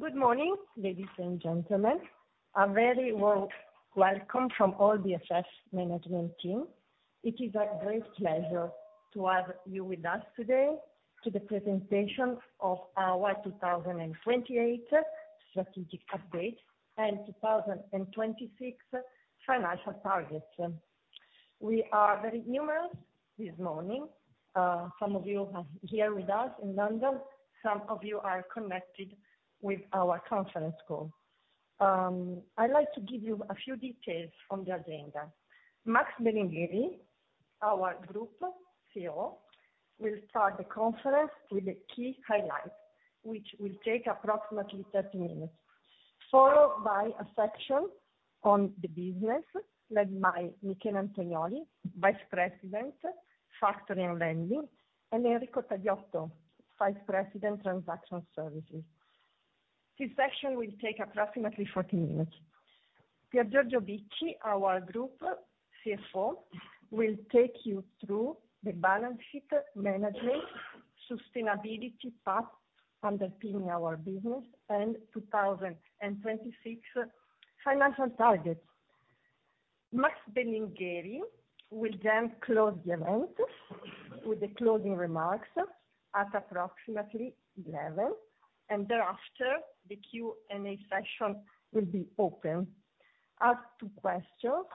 Good morning, ladies and gentlemen. A very welcome from all BFF management team. It is a great pleasure to have you with us today to the presentation of our 2028 strategic update and 2026 financial targets. We are very numerous this morning. Some of you are here with us in London, some of you are connected with our conference call. I'd like to give you a few details on the agenda. Massimiliano Belingheri, our Group CEO, will start the conference with the key highlights, which will take approximately 30 minutes, followed by a section on the business, led by Michele Antognoli, Vice President, Factoring & Lending, and Enrico Tadiotto, Vice President, Transaction Services. This section will take approximately 40 minutes. Piergiorgio Bicci, our Group CFO, will take you through the balance sheet management, sustainability path underpinning our business and 2026 financial targets. Massimiliano Belingheri will close the event with the closing remarks at approximately 11, thereafter, the Q&A session will be open. As to questions,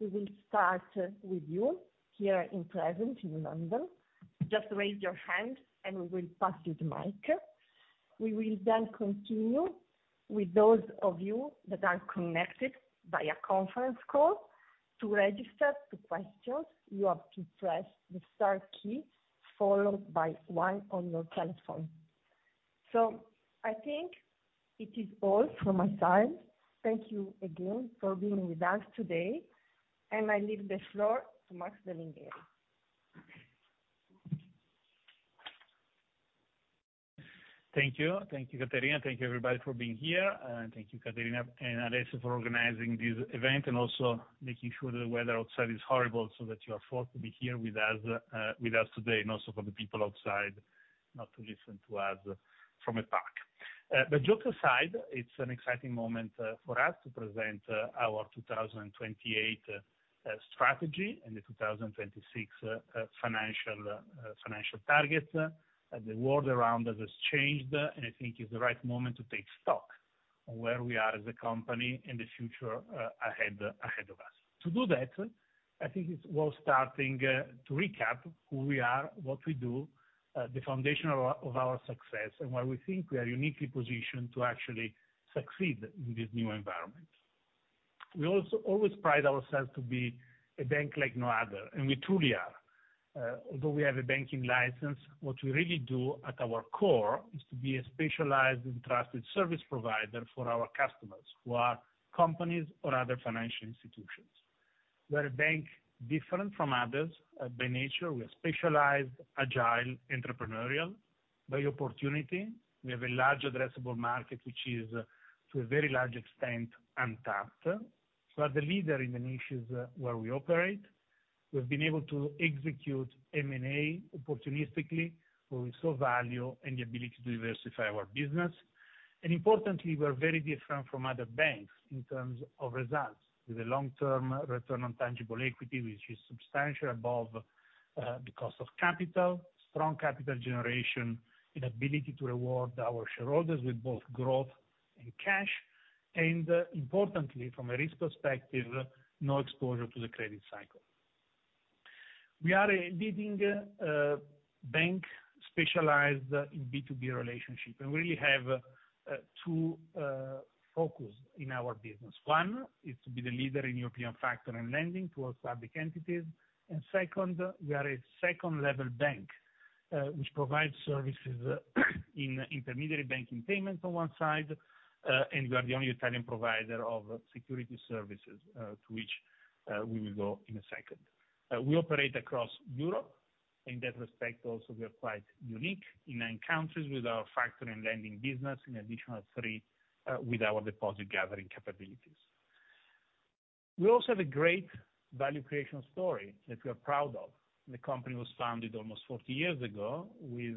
we will start with you here in present in London. Just raise your hand and we will pass you the mic. We will continue with those of you that are connected via conference call. To register the questions, you have to press the star key, followed by zero on your telephone. I think it is all from my side. Thank you again for being with us today. I leave the floor to Massimiliano Belingheri. Thank you. Thank you, Caterina. Thank you, everybody, for being here. Thank you, Caterina and Alessio, for organizing this event and also making sure that the weather outside is horrible so that you are forced to be here with us today, and also for the people outside, not to listen to us from a park. Jokes aside, it's an exciting moment for us to present our 2028 strategy and the 2026 financial targets. The world around us has changed, and I think it's the right moment to take stock on where we are as a company and the future ahead of us. To do that, I think it's worth starting to recap who we are, what we do, the foundation of our, of our success, and why we think we are uniquely positioned to actually succeed in this new environment. We also always pride ourselves to be a bank like no other, and we truly are. Although we have a banking license, what we really do at our core is to be a specialized and trusted service provider for our customers, who are companies or other financial institutions. We're a bank different from others by nature. We are specialized, agile, entrepreneurial. By opportunity, we have a large addressable market, which is, to a very large extent, untapped. We are the leader in the niches where we operate. We've been able to execute M&A opportunistically, where we saw value and the ability to diversify our business. Importantly, we're very different from other banks in terms of results, with a long-term return on tangible equity, which is substantially above the cost of capital, strong capital generation, and ability to reward our shareholders with both growth and cash, and importantly, from a risk perspective, no exposure to the credit cycle. We are a leading bank, specialized in B2B relationship, and we really have two focus in our business. One, is to be the leader in European factor and lending towards public entities. Second, we are a second-level bank, which provides services, in intermediary banking payments on one side, and we are the only Italian provider of security services, to which we will go in a second. We operate across Europe. In that respect, also, we are quite unique in nine countries with our Factoring & Lending business, an additional three with our deposit-gathering capabilities. We also have a great value creation story that we are proud of. The company was founded almost 40 years ago with,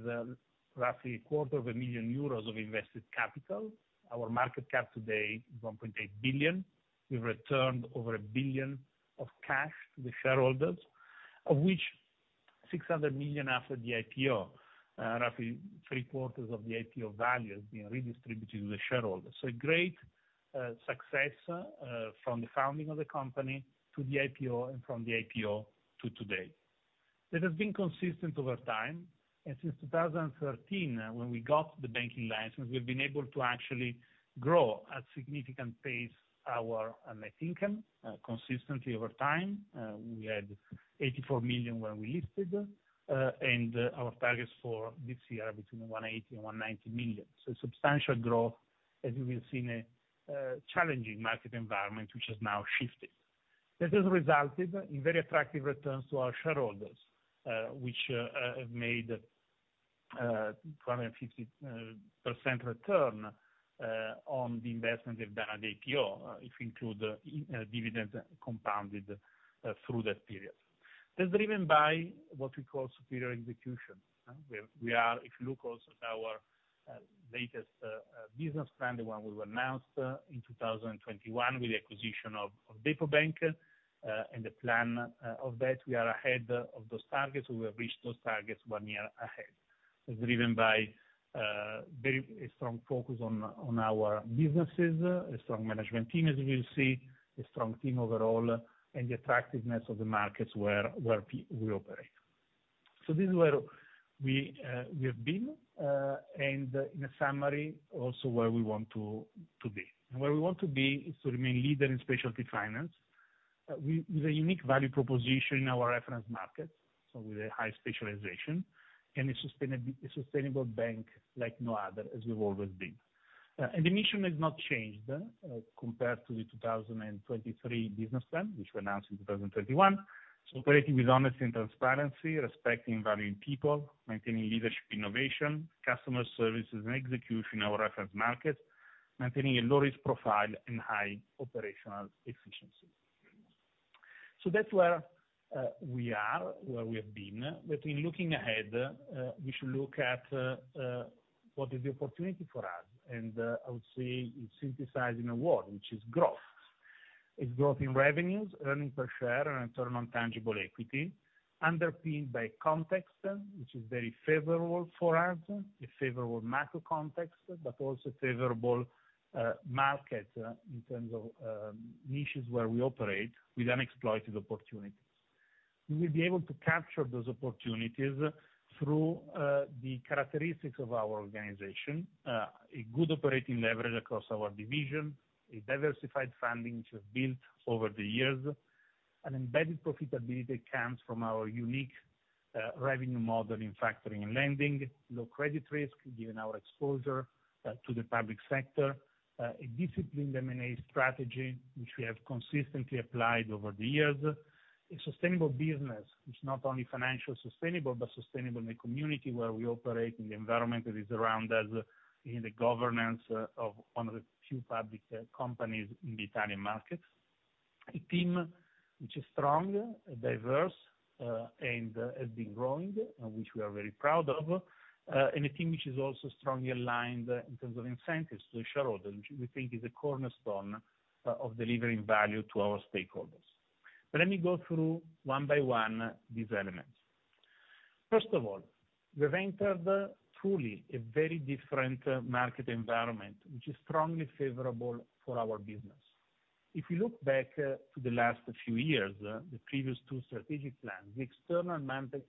roughly a quarter of a million EUR of invested capital. Our market cap today is 1.8 billion. We've returned over 1 billion of cash to the shareholders, of which 600 million after the IPO, roughly three quarters of the IPO value has been redistributed to the shareholders. A great success from the founding of the company to the IPO and from the IPO to today. It has been consistent over time. Since 2013, when we got the banking license, we've been able to actually grow at significant pace our net income consistently over time. We had 84 million when we listed, and our targets for this year are between 180 million-190 million. Substantial growth, as you will see, in a challenging market environment, which has now shifted. This has resulted in very attractive returns to our shareholders, which have made 25% return on the investment they've done at the IPO, if you include dividends compounded through that period. That's driven by what we call superior execution. We are, if you look also at our latest business plan, the one we announced in 2021 with the acquisition of DepoBank, and the plan of that, we are ahead of those targets. We have reached those targets one year ahead. It's driven by a strong focus on our businesses, a strong management team, as you will see, a strong team overall, and the attractiveness of the markets where we operate. This is where we have been, and in a summary, also where we want to be. Where we want to be is to remain leader in specialty finance. We, with a unique value proposition in our reference markets, with a high specialization, a sustainable bank like no other, as we've always been. The mission has not changed compared to the 2023 business plan, which we announced in 2021. Operating with honesty and transparency, respecting and valuing people, maintaining leadership innovation, customer services, and execution in our reference markets, maintaining a low-risk profile and high operational efficiency. That's where we are, where we have been, but in looking ahead, we should look at what is the opportunity for us, I would say it's synthesized in a word, which is growth. It's growth in revenues, earnings per share, and return on tangible equity, underpinned by context, which is very favorable for us, a favorable macro context, but also favorable, market in terms of, niches where we operate with unexploited opportunities. We will be able to capture those opportunities through the characteristics of our organization, a good operating leverage across our division, a diversified funding which we have built over the years, an embedded profitability comes from our unique revenue model in Factoring & Lending, low credit risk given our exposure to the public sector, a disciplined M&A strategy, which we have consistently applied over the years. A sustainable business, which is not only financially sustainable, but sustainable in the community where we operate, in the environment that is around us, in the governance of one of the few public companies in the Italian markets. A team which is strong, diverse, and has been growing and which we are very proud of, and a team which is also strongly aligned in terms of incentives to shareholders, which we think is a cornerstone of delivering value to our stakeholders. Let me go through one by one, these elements. First of all, we've entered truly a very different market environment, which is strongly favorable for our business. If you look back to the last few years, the previous two strategic plans, the external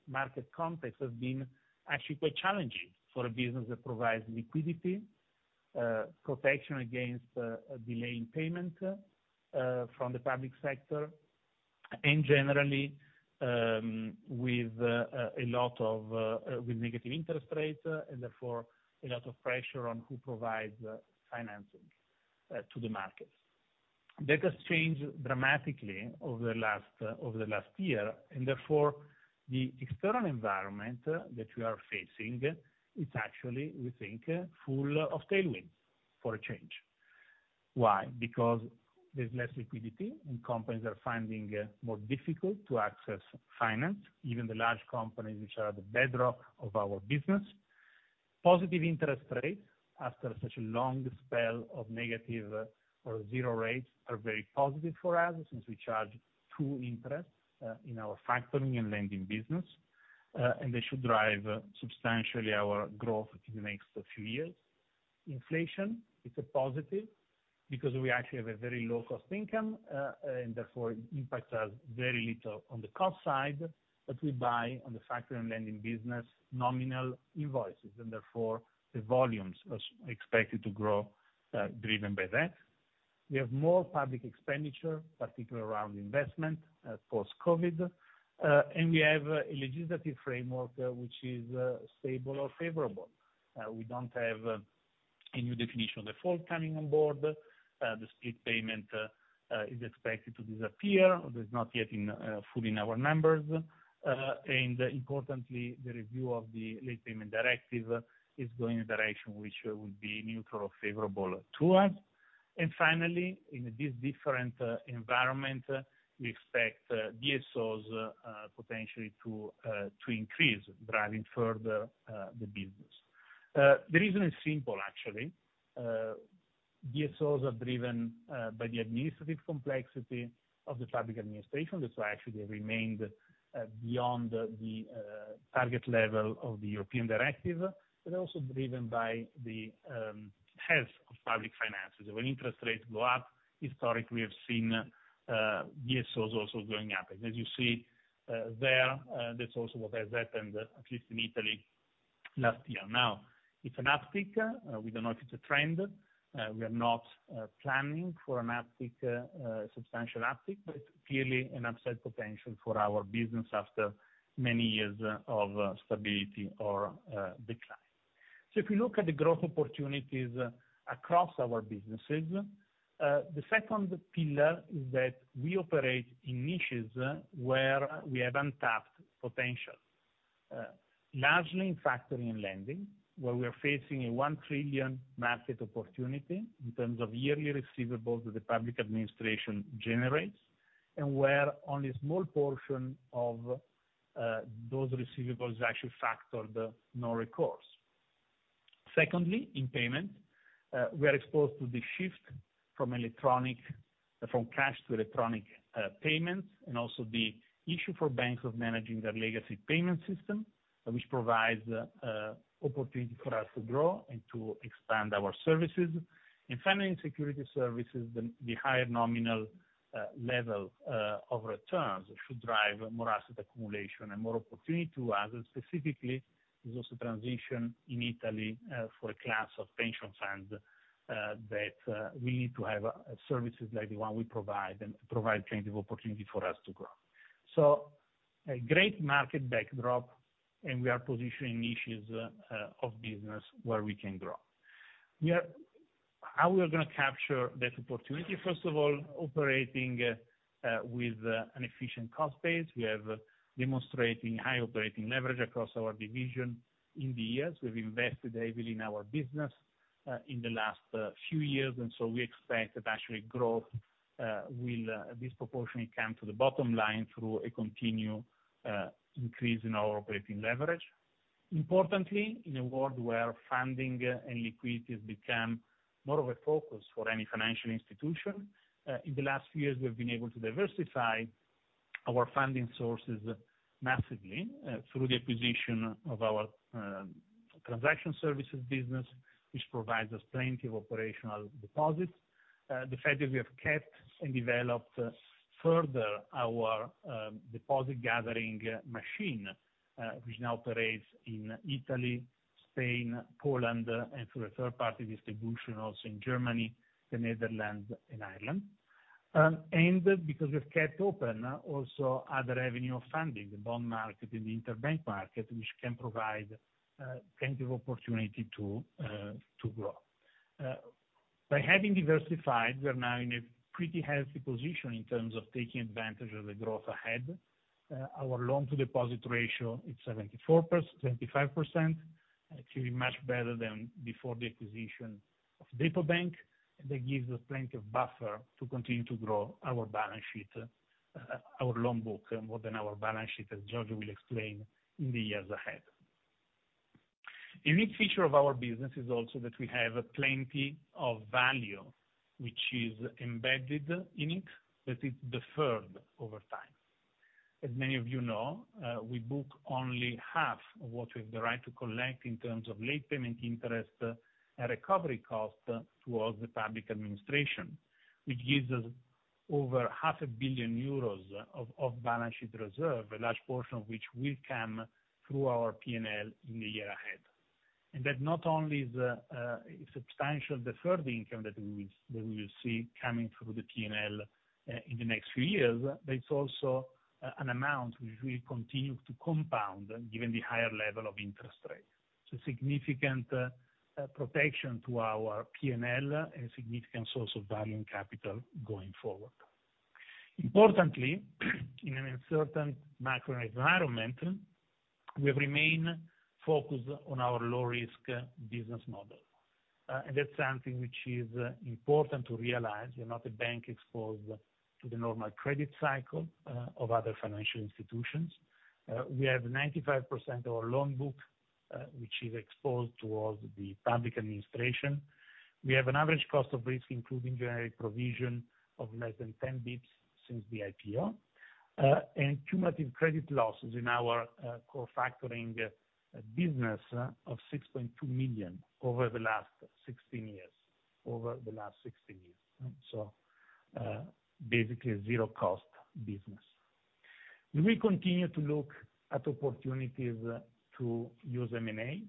market context has been actually quite challenging for a business that provides liquidity, protection against a delay in payment from the public sector, and generally, with a lot of, with negative interest rates and therefore a lot of pressure on who provides financing to the markets. That has changed dramatically over the last year, therefore, the external environment that we are facing is actually, we think, full of tailwinds for a change. Why? Because there's less liquidity, and companies are finding it more difficult to access finance, even the large companies which are the bedrock of our business. Positive interest rates after such a long spell of negative or zero rates are very positive for us, since we charge two interest in our Factoring & Lending business, and they should drive substantially our growth in the next few years. Inflation is a positive because we actually have a very low cost income, and therefore it impacts us very little on the cost side, but we buy on the Factoring & Lending business nominal invoices, and therefore, the volumes are expected to grow driven by that. We have more public expenditure, particularly around investment, post-COVID. We have a legislative framework which is stable or favorable. We don't have a new definition of default coming on board. The split payment is expected to disappear, or it's not yet in fully in our numbers. Importantly, the review of the Late Payment Directive is going in a direction which will be neutral or favorable to us. Finally, in this different environment, we expect DSOs potentially to increase, driving further the business. The reason is simple actually. DSOs are driven by the administrative complexity of the public administration. That's why actually they remained beyond the target level of the European Directive, but also driven by the health of public finances. When interest rates go up, historically, we have seen DSOs also going up. As you see, there, that's also what has happened, at least in Italy last year. Now, it's an uptick. We don't know if it's a trend. We are not planning for an uptick, a substantial uptick, but clearly an upside potential for our business after many years of stability or decline. If you look at the growth opportunities across our businesses, the second pillar is that we operate in niches where we have untapped potential. Largely in Factoring and Lending, where we are facing a 1 trillion market opportunity in terms of yearly receivables that the public administration generates, and where only a small portion of those receivables are actually factored no recourse. Secondly, in payment, we are exposed to the shift from electronic, from cash to electronic payments, and also the issue for banks of managing their legacy payment system, which provides opportunity for us to grow and to expand our services. In funding and security services, the higher nominal level of returns should drive more asset accumulation and more opportunity to us, and specifically, there's also transition in Italy, for a class of pension funds, that we need to have services like the one we provide, and provide plenty of opportunity for us to grow. A great market backdrop, and we are positioning niches of business where we can grow. How we are gonna capture this opportunity? First of all, operating, with an efficient cost base, we have demonstrating high operating leverage across our division in the years. We've invested heavily in our business, in the last few years. We expect that actually growth will disproportionately come to the bottom line through a continued increase in our operating leverage. Importantly, in a world where funding and liquidity has become more of a focus for any financial institution, in the last years, we've been able to diversify our funding sources massively, through the acquisition of our Transaction Services business, which provides us plenty of operational deposits. The fact that we have kept and developed further our deposit gathering machine, which now operates in Italy, Spain, Poland, and through a third party distribution, also in Germany, the Netherlands, and Ireland. Because we've kept open also other revenue of funding, the bond market and the interbank market, which can provide plenty of opportunity to grow. By having diversified, we're now in a pretty healthy position in terms of taking advantage of the growth ahead. Our loan to deposit ratio is 75%, actually much better than before the acquisition of BPER Banca. That gives us plenty of buffer to continue to grow our balance sheet, our loan book, more than our balance sheet, as Giorgio will explain, in the years ahead. Unique feature of our business is also that we have plenty of value, which is embedded in it, that is deferred over time. As many of you know, we book only half of what we have the right to collect in terms of late payment interest and recovery costs towards the public administration, which gives us over half a billion euros of balance sheet reserve, a large portion of which will come through our PNL in the year ahead. That not only is a substantial deferred income that we, that we will see coming through the PNL in the next few years, but it's also an amount which we continue to compound, given the higher level of interest rates. It's a significant protection to our PNL and significant source of value and capital going forward. Importantly, in an uncertain macro environment, we have remained focused on our low risk business model. That's something which is important to realize, we're not a bank exposed to the normal credit cycle of other financial institutions. We have 95% of our loan book which is exposed towards the public administration. We have an average cost of risk, including generic provision of less than 10 basis points since the IPO, and cumulative credit losses in our core factoring business of 6.2 million over the last 16 years. Basically zero cost business. We continue to look at opportunities to use M&A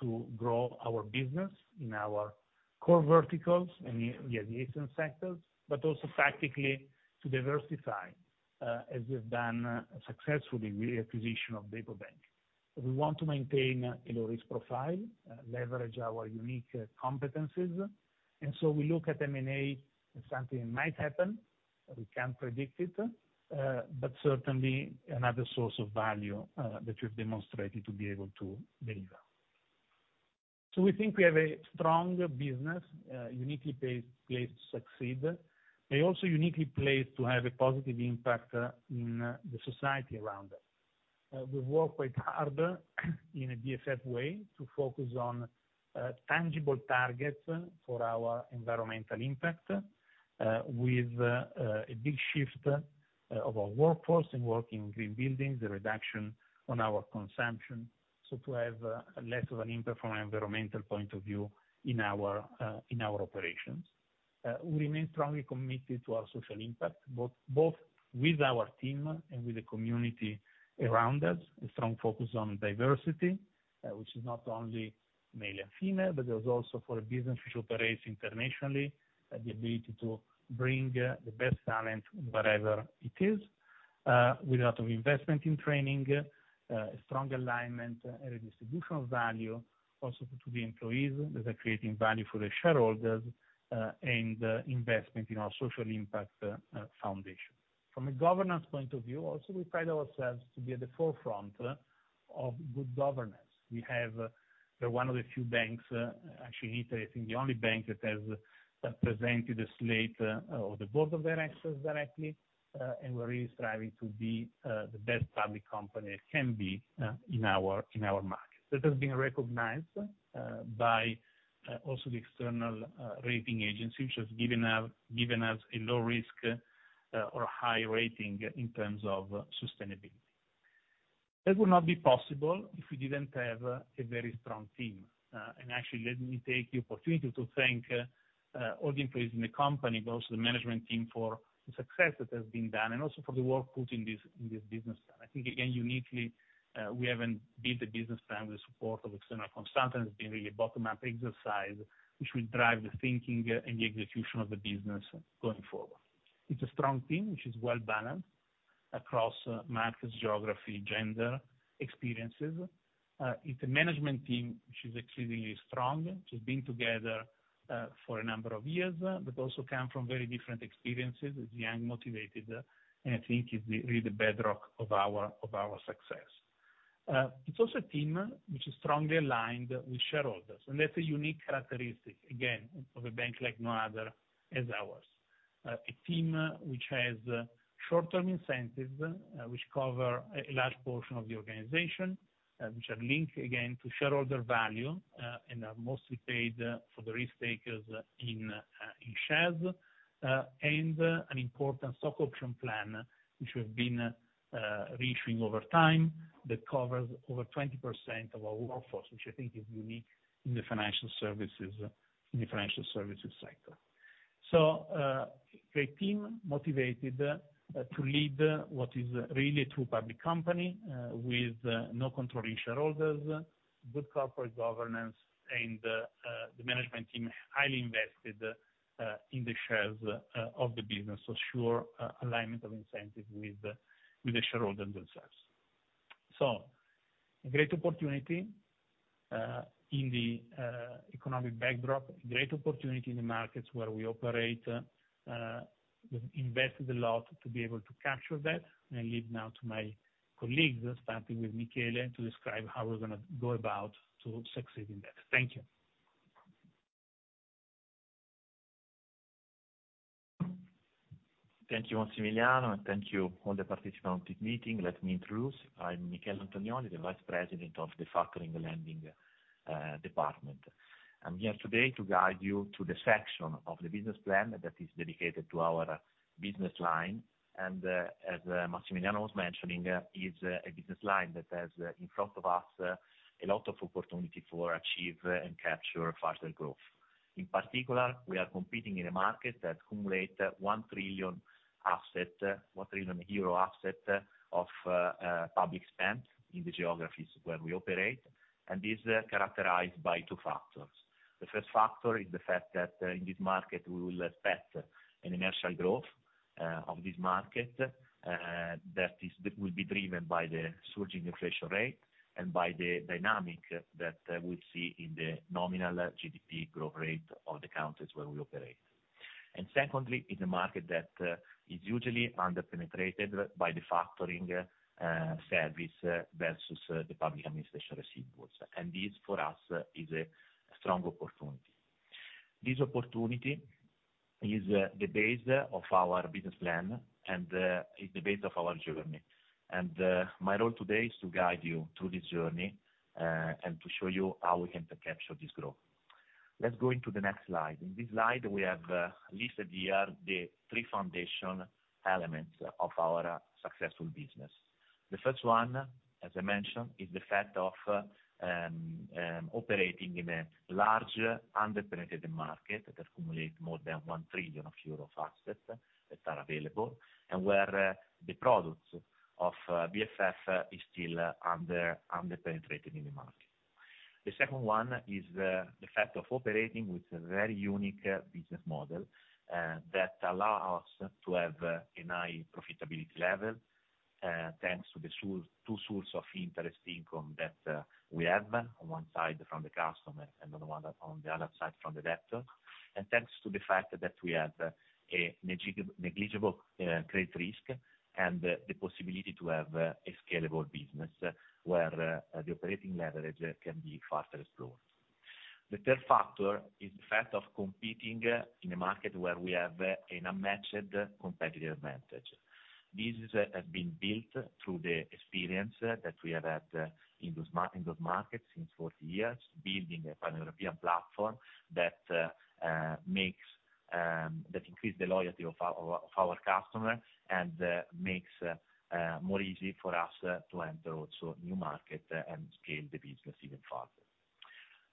to grow our business in our core verticals and the adjacent sectors, also practically to diversify as we've done successfully with the acquisition of BPER Banca. We want to maintain a low risk profile, leverage our unique competencies, we look at M&A as something that might happen, we can't predict it, but certainly another source of value that we've demonstrated to be able to deliver. We think we have a strong business, uniquely placed to succeed, and also uniquely placed to have a positive impact in the society around us. We've worked quite hard in a BFF way to focus on tangible targets for our environmental impact with a big shift of our workforce and working in green buildings, the reduction on our consumption, so to have less of an impact from an environmental point of view in our in our operations. We remain strongly committed to our social impact, both with our team and with the community around us. A strong focus on diversity, which is not only male and female, but there's also for a business which operates internationally, the ability to bring the best talent, wherever it is, with a lot of investment in training, a strong alignment and a distribution of value, also to the employees that are creating value for the shareholders, and investment in our social impact, foundation. From a governance point of view, also, we pride ourselves to be at the forefront of good governance. We have, actually, I think the only bank that has presented a slate of the board of directors directly, and we're really striving to be the best public company it can be in our market. That has been recognized by also the external rating agencies, which has given us a low risk or high rating in terms of sustainability. It would not be possible if we didn't have a very strong team. Actually, let me take the opportunity to thank all the employees in the company, but also the management team for the success that has been done, and also for the work put in this business. I think, again, uniquely, we haven't built the business plan with support of external consultants, it's been really a bottom-up exercise, which will drive the thinking and the execution of the business going forward. It's a strong team, which is well-balanced across markets, geography, gender, experiences. It's a management team which is exceedingly strong, which has been together, for a number of years, but also come from very different experiences, is young, motivated, and I think is the really the bedrock of our success. It's also a team which is strongly aligned with shareholders, that's a unique characteristic, again, of a bank like no other as ours. A team which has short-term incentives, which cover a large portion of the organization, which are linked, again, to shareholder value, and are mostly paid for the risk takers in shares. An important stock option plan, which we have been reissuing over time, that covers over 20% of our workforce, which I think is unique in the financial services, in the financial services sector. Great team, motivated to lead what is really a true public company, with no controlling shareholders, good corporate governance, and the management team highly invested in the shares of the business, so sure alignment of incentives with the shareholders themselves. A great opportunity in the economic backdrop, great opportunity in the markets where we operate, we've invested a lot to be able to capture that. I leave now to my colleagues, starting with Michele, to describe how we're gonna go about to succeeding that. Thank you. Thank you, Massimiliano. Thank you for the participant of this meeting. Let me introduce. I'm Michele Antognoli, the vice president of the Factoring & Lending department. I'm here today to guide you to the section of the business plan that is dedicated to our business line. As Massimiliano was mentioning, is a business line that has in front of us a lot of opportunity for achieve and capture faster growth. In particular, we are competing in a market that accumulate 1 trillion euro asset, 1 trillion euro asset of public spend in the geographies where we operate. These are characterized by two factors. The first factor is the fact that, in this market, we will expect an initial growth of this market, that will be driven by the surging inflation rate, by the dynamic that we see in the nominal GDP growth rate of the countries where we operate. Secondly, is a market that is usually under-penetrated by the factoring service versus the public administration receivables. This, for us, is a strong opportunity. This opportunity is the base of our business plan, and is the base of our journey. My role today is to guide you through this journey, and to show you how we can capture this growth. Let's go into the next slide. In this slide, we have listed here the three foundation elements of our successful business. The first one, as I mentioned, is the fact of operating in a large, underpenetrated market that accumulate more than 1 trillion euros of assets that are available, where the products of BFF is still under-penetrated in the market. The second one is the fact of operating with a very unique business model that allow us to have a high profitability level, thanks to the 2 source of interest income that we have, on one side from the customer and on the other side from the debtor. Thanks to the fact that we have a negligible credit risk, and the possibility to have a scalable business where the operating leverage can be faster explored. The third factor is the fact of competing in a market where we have an unmatched competitive advantage. This has been built through the experience that we have had in those markets since 40 years, building a pan-European platform that makes that increase the loyalty of our customers, and makes more easy for us to enter also new market and scale the business even further.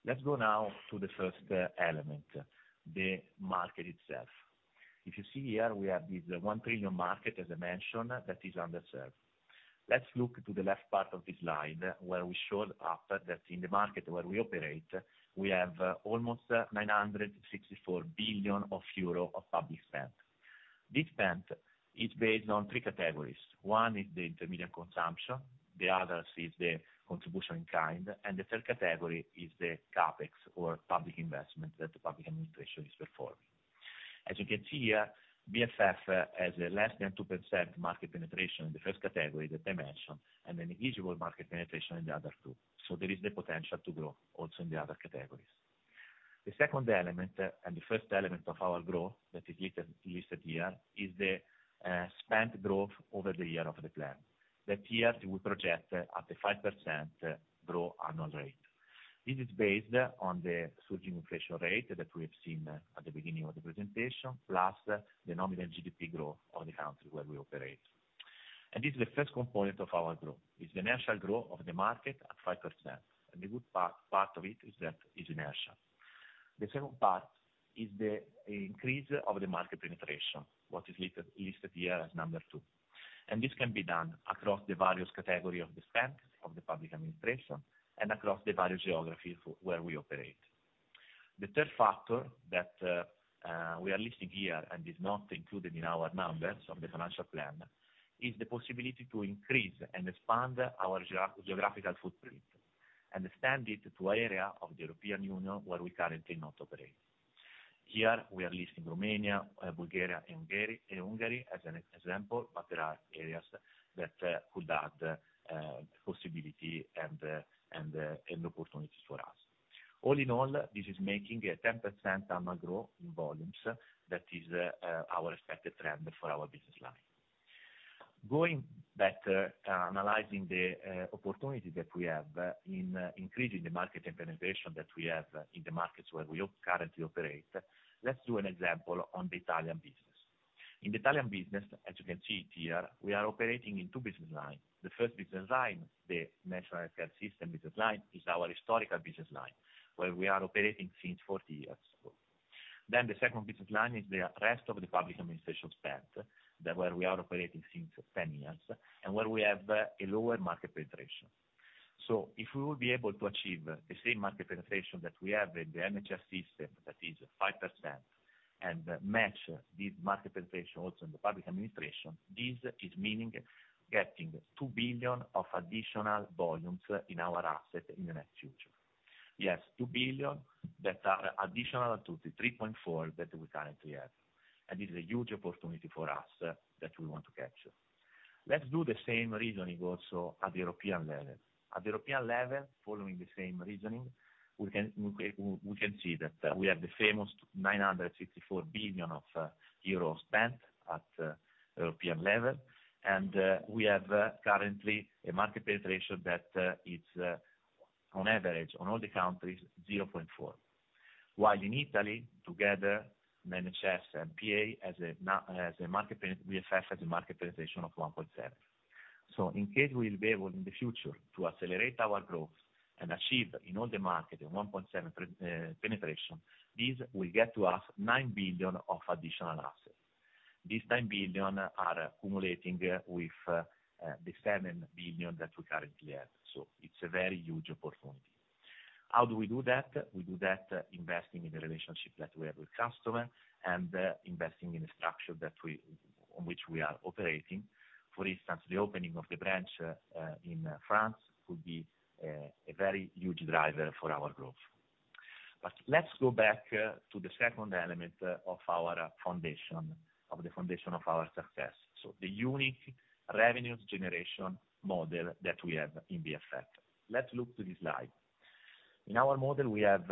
Let's go now to the first element, the market itself. If you see here, we have this 1 trillion market, as I mentioned, that is underserved. Let's look to the left part of this slide, where we showed up that in the market where we operate, we have almost 964 billion euro of public spend. This spend is based on 3 categories. One, is the intermediate consumption, the others is the contribution kind, and the third category is the CapEx, or public investment that the public administration is performing. As you can see here, BFF has a less than 2% market penetration in the first category that I mentioned, and then a visible market penetration in the other two. There is the potential to grow also in the other categories. The second element, and the first element of our growth that is listed here, is the spend growth over the year of the plan. That year, we project at the 5% growth annual rate. This is based on the surging inflation rate that we have seen at the beginning of the presentation, plus the nominal GDP growth of the country where we operate. This is the first component of our growth, is the natural growth of the market at 5%, and the good part of it is that it's inertia. The second part is the increase of the market penetration, what is listed here as number two, and this can be done across the various category of the spend of the public administration and across the various geographies where we operate. The third factor that we are listing here, and is not included in our numbers of the financial plan, is the possibility to increase and expand our geographical footprint and extend it to area of the European Union where we currently not operate. Here, we are listing Romania, Bulgaria, and Hungary as an example, but there are areas that could add possibility and opportunities for us. All in all, this is making a 10% annual growth in volumes that is our expected trend for our business line. Going back, analyzing the opportunity that we have in increasing the market and penetration that we have in the markets where we currently operate, let's do an example on the Italian business. In the Italian business, as you can see it here, we are operating in 2 business line. The first business line, the National Health Care System business line, is our historical business line, where we are operating since 40 years. The second business line is the rest of the public administration spend, that where we are operating since 10 years, and where we have a lower market penetration. If we will be able to achieve the same market penetration that we have in the NHS system, that is 5%, and match this market penetration also in the public administration. This is meaning getting 2 billion of additional volumes in our asset in the next future. 2 billion that are additional to the 3.4 billion that we currently have, and this is a huge opportunity for us that we want to capture. Let's do the same reasoning also at the European level. At the European level, following the same reasoning, we can see that we have the famous 964 billion euros spent at European level, and we have currently a market penetration that it's on average on all the countries, 0.4%. While in Italy, together, NHS and PA, BFF has a market penetration of 1.7. In case we will be able in the future to accelerate our growth and achieve in all the market a 1.7 penetration, this will get to us 9 billion of additional asset. This 9 billion are accumulating with the 7 billion that we currently have, so it's a very huge opportunity. How do we do that? We do that investing in the relationship that we have with customer and investing in the structure that we, on which we are operating. For instance, the opening of the branch in France could be a very huge driver for our growth. Let's go back to the second element of our foundation, of the foundation of our success, so the unique revenue generation model that we have in BFF. Let's look to this slide. In our model, we have,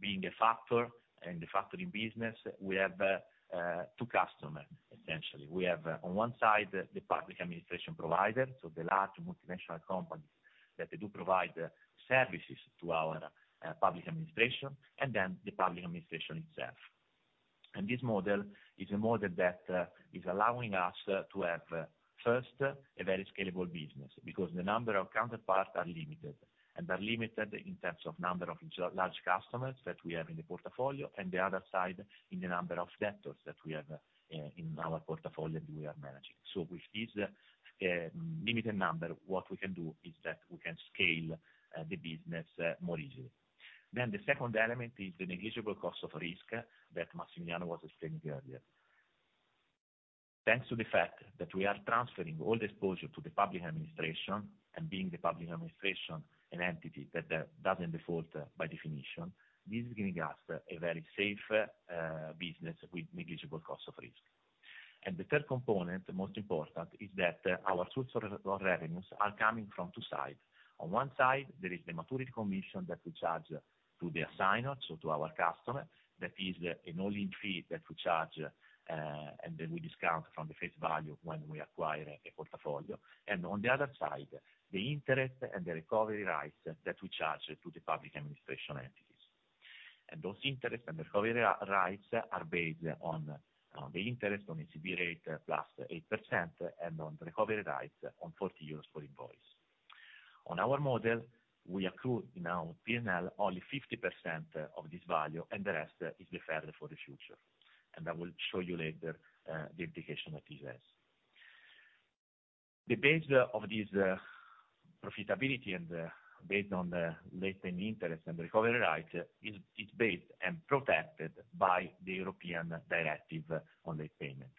being a factor, in the factoring business, we have, two customer, essentially. We have, on one side, the public administration provider, so the large multinational companies that they do provide services to our public administration, and then the public administration itself. This model is a model that is allowing us to have, first, a very scalable business, because the number of counterparts are limited, and are limited in terms of number of large customers that we have in the portfolio, and the other side, in the number of sectors that we have in our portfolio that we are managing. With this limited number, what we can do is that we can scale the business more easily. The second element is the negligible cost of risk that Massimiliano was explaining earlier. Thanks to the fact that we are transferring all the exposure to the public administration, and being the public administration an entity that doesn't default by definition, this is giving us a very safe business with negligible cost of risk. The third component, the most important, is that our source of revenues are coming from two sides. On one side, there is the maturity commission that we charge to the assigner, so to our customer, that is an all-in fee that we charge, and then we discount from the face value when we acquire a portfolio. On the other side, the interest and the recovery rights that we charge to the public administration entities. Those interest and recovery rights are based on the interest, on ECB rate plus 8%, and on the recovery rights on €40 for invoice. On our model, we accrue in our P&L only 50% of this value, and the rest is deferred for the future, and I will show you later the implication that this has. The base of this profitability and based on the late payment interest and recovery rights, is based and protected by the European Directive on late payment.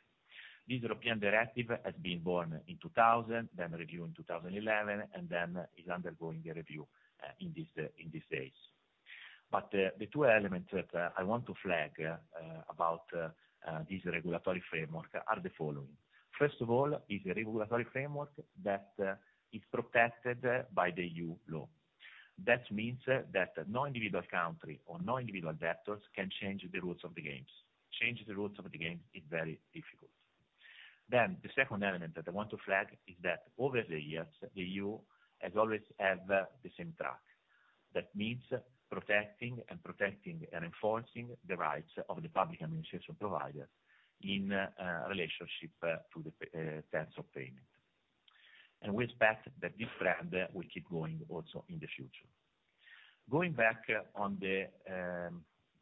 This European Directive has been born in 2000, then reviewed in 2011, and then is undergoing a review in this in these days. The two elements that I want to flag about this regulatory framework are the following. First of all, is a regulatory framework that is protected by the EU law. That means that no individual country or no individual debtors can change the rules of the games. Change the rules of the game is very difficult. The second element that I want to flag is that over the years, the EU has always had the same track. That means protecting, and enforcing the rights of the public administration provider in relationship to the terms of payment. We expect that this trend will keep going also in the future. Going back on the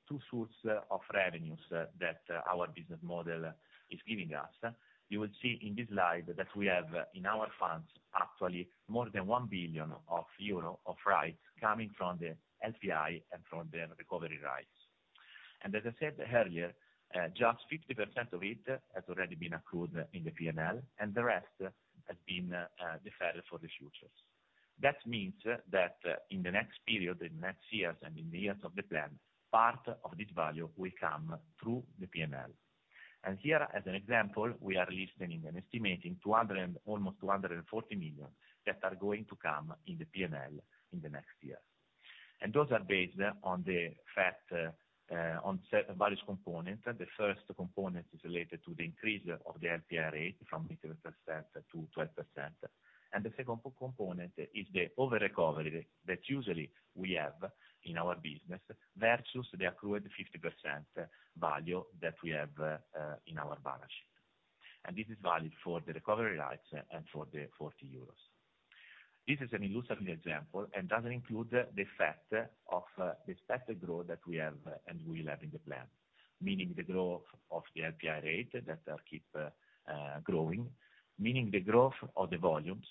two sorts of revenues that our business model is giving us, you will see in this slide that we have, in our funds, actually more than 1 billion euro of rights coming from the LPI and from the Recovery Cost Rights. As I said earlier, just 50% of it has already been accrued in the PNL, and the rest has been deferred for the futures. That means that in the next period, in the next years, and in the years of the plan, part of this value will come through the PNL. Here, as an example, we are listing and estimating almost 240 million that are going to come in the PNL in the next year. Those are based on the fact on set various component. The first component is related to the increase of the LPI rate from 8% to 12%. The second component is the over-recovery that usually we have in our business versus the accrued 50% value that we have in our balance sheet. This is valid for the recovery rights and for the 40 euros. This is an illustrative example, doesn't include the effect of the expected growth that we have and will have in the plan, meaning the growth of the LPI rate, that keep growing, meaning the growth of the volumes,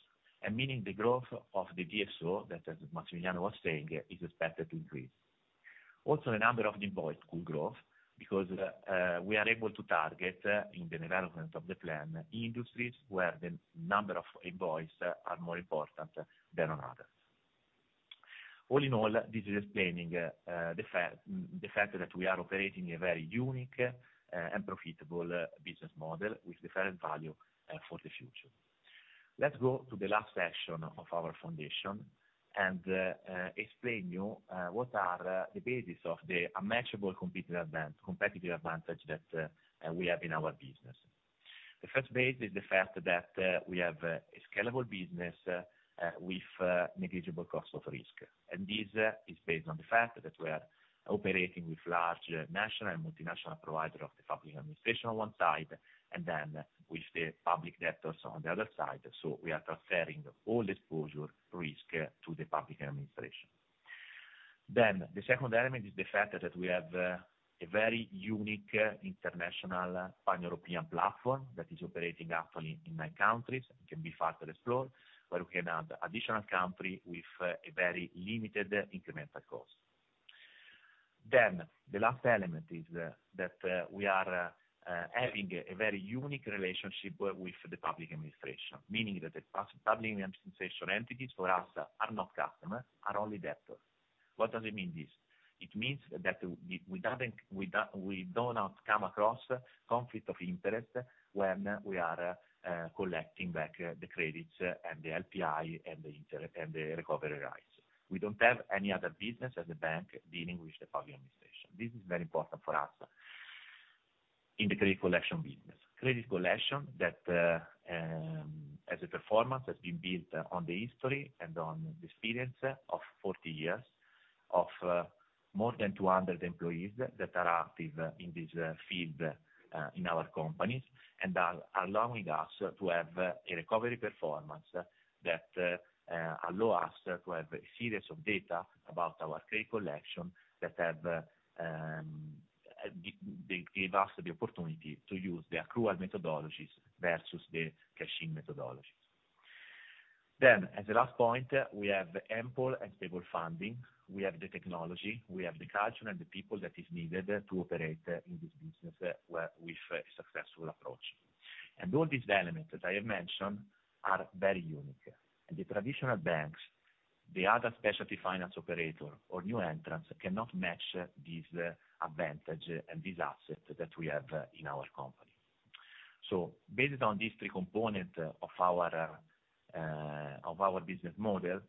and meaning the growth of the DSO, that as Massimiliano was saying, is expected to increase. The number of invoice could grow because we are able to target in the development of the plan, industries where the number of invoice are more important than on others. All in all, this is explaining the fact that we are operating a very unique and profitable business model with different value for the future. Let's go to the last section of our foundation, explain you what are the basis of the unmatchable competitive advantage that we have in our business. The first base is the fact that we have a scalable business with negligible cost of risk. This is based on the fact that we are operating with large national and multinational provider of the public administration on one side, with the public debtors on the other side. We are transferring all exposure risk to the public administration. The second element is the fact that we have a very unique international pan-European platform that is operating actually in nine countries, and can be further explored, where we can add additional country with a very limited incremental cost. The last element is that we are having a very unique relationship with the public administration, meaning that the public administration entities for us are not customers, are only debtors. What does it mean, this? It means that we haven't, we do not come across conflict of interest when we are collecting back the credits and the LPI, and the recovery rights. We don't have any other business as a bank dealing with the public administration. This is very important for us in the credit collection business. Credit collection that, as a performance, has been built on the history and on the experience of 40 years, of more than 200 employees that are active in this field, in our companies, and are allowing us to have a recovery performance that allow us to have a series of data about our credit collection that have, they give us the opportunity to use the accrual methodologies versus the cash methodologies. As a last point, we have ample and stable funding, we have the technology, we have the culture and the people that is needed to operate in this business with a successful approach. All these elements, as I have mentioned, are very unique, and the traditional banks, the other specialty finance operator or new entrants, cannot match this advantage and this asset that we have in our company. Based on these three components of our business model,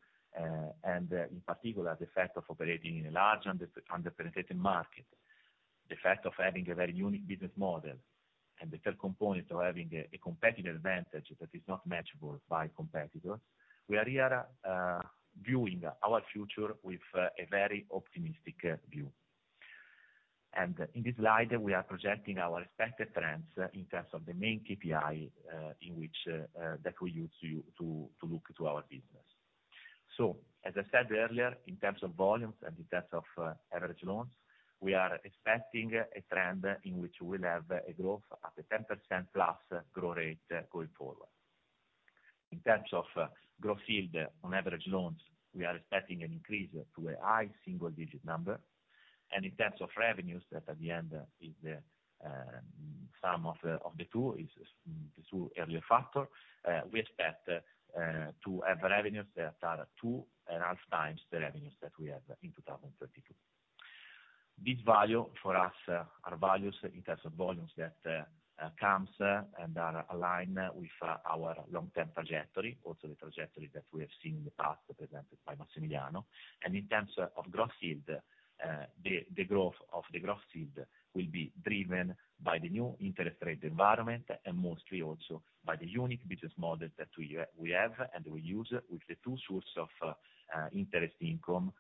and in particular, the fact of operating in a large underpenetrated market, the fact of having a very unique business model, and the third component of having a competitive advantage that is not matchable by competitors, we are here viewing our future with a very optimistic view. In this slide, we are projecting our expected trends in terms of the main KPI, in which that we use to look to our business. As I said earlier, in terms of volumes and in terms of average loans, we are expecting a trend in which we'll have a growth at a 10%+ growth rate going forward. In terms of growth yield on average loans, we are expecting an increase to a high single digit number, and in terms of revenues that at the end is the sum of the two, is the two earlier factor, we expect to have revenues that are 2.5 times the revenues that we have in 2022. This value for us are values in terms of volumes that comes and are aligned with our long-term trajectory, also the trajectory that we have seen in the past, presented by Massimiliano. In terms of growth field, the growth of the growth field will be driven by the new interest rate environment, and mostly also by the unique business model that we have and we use, with the two sources of interest income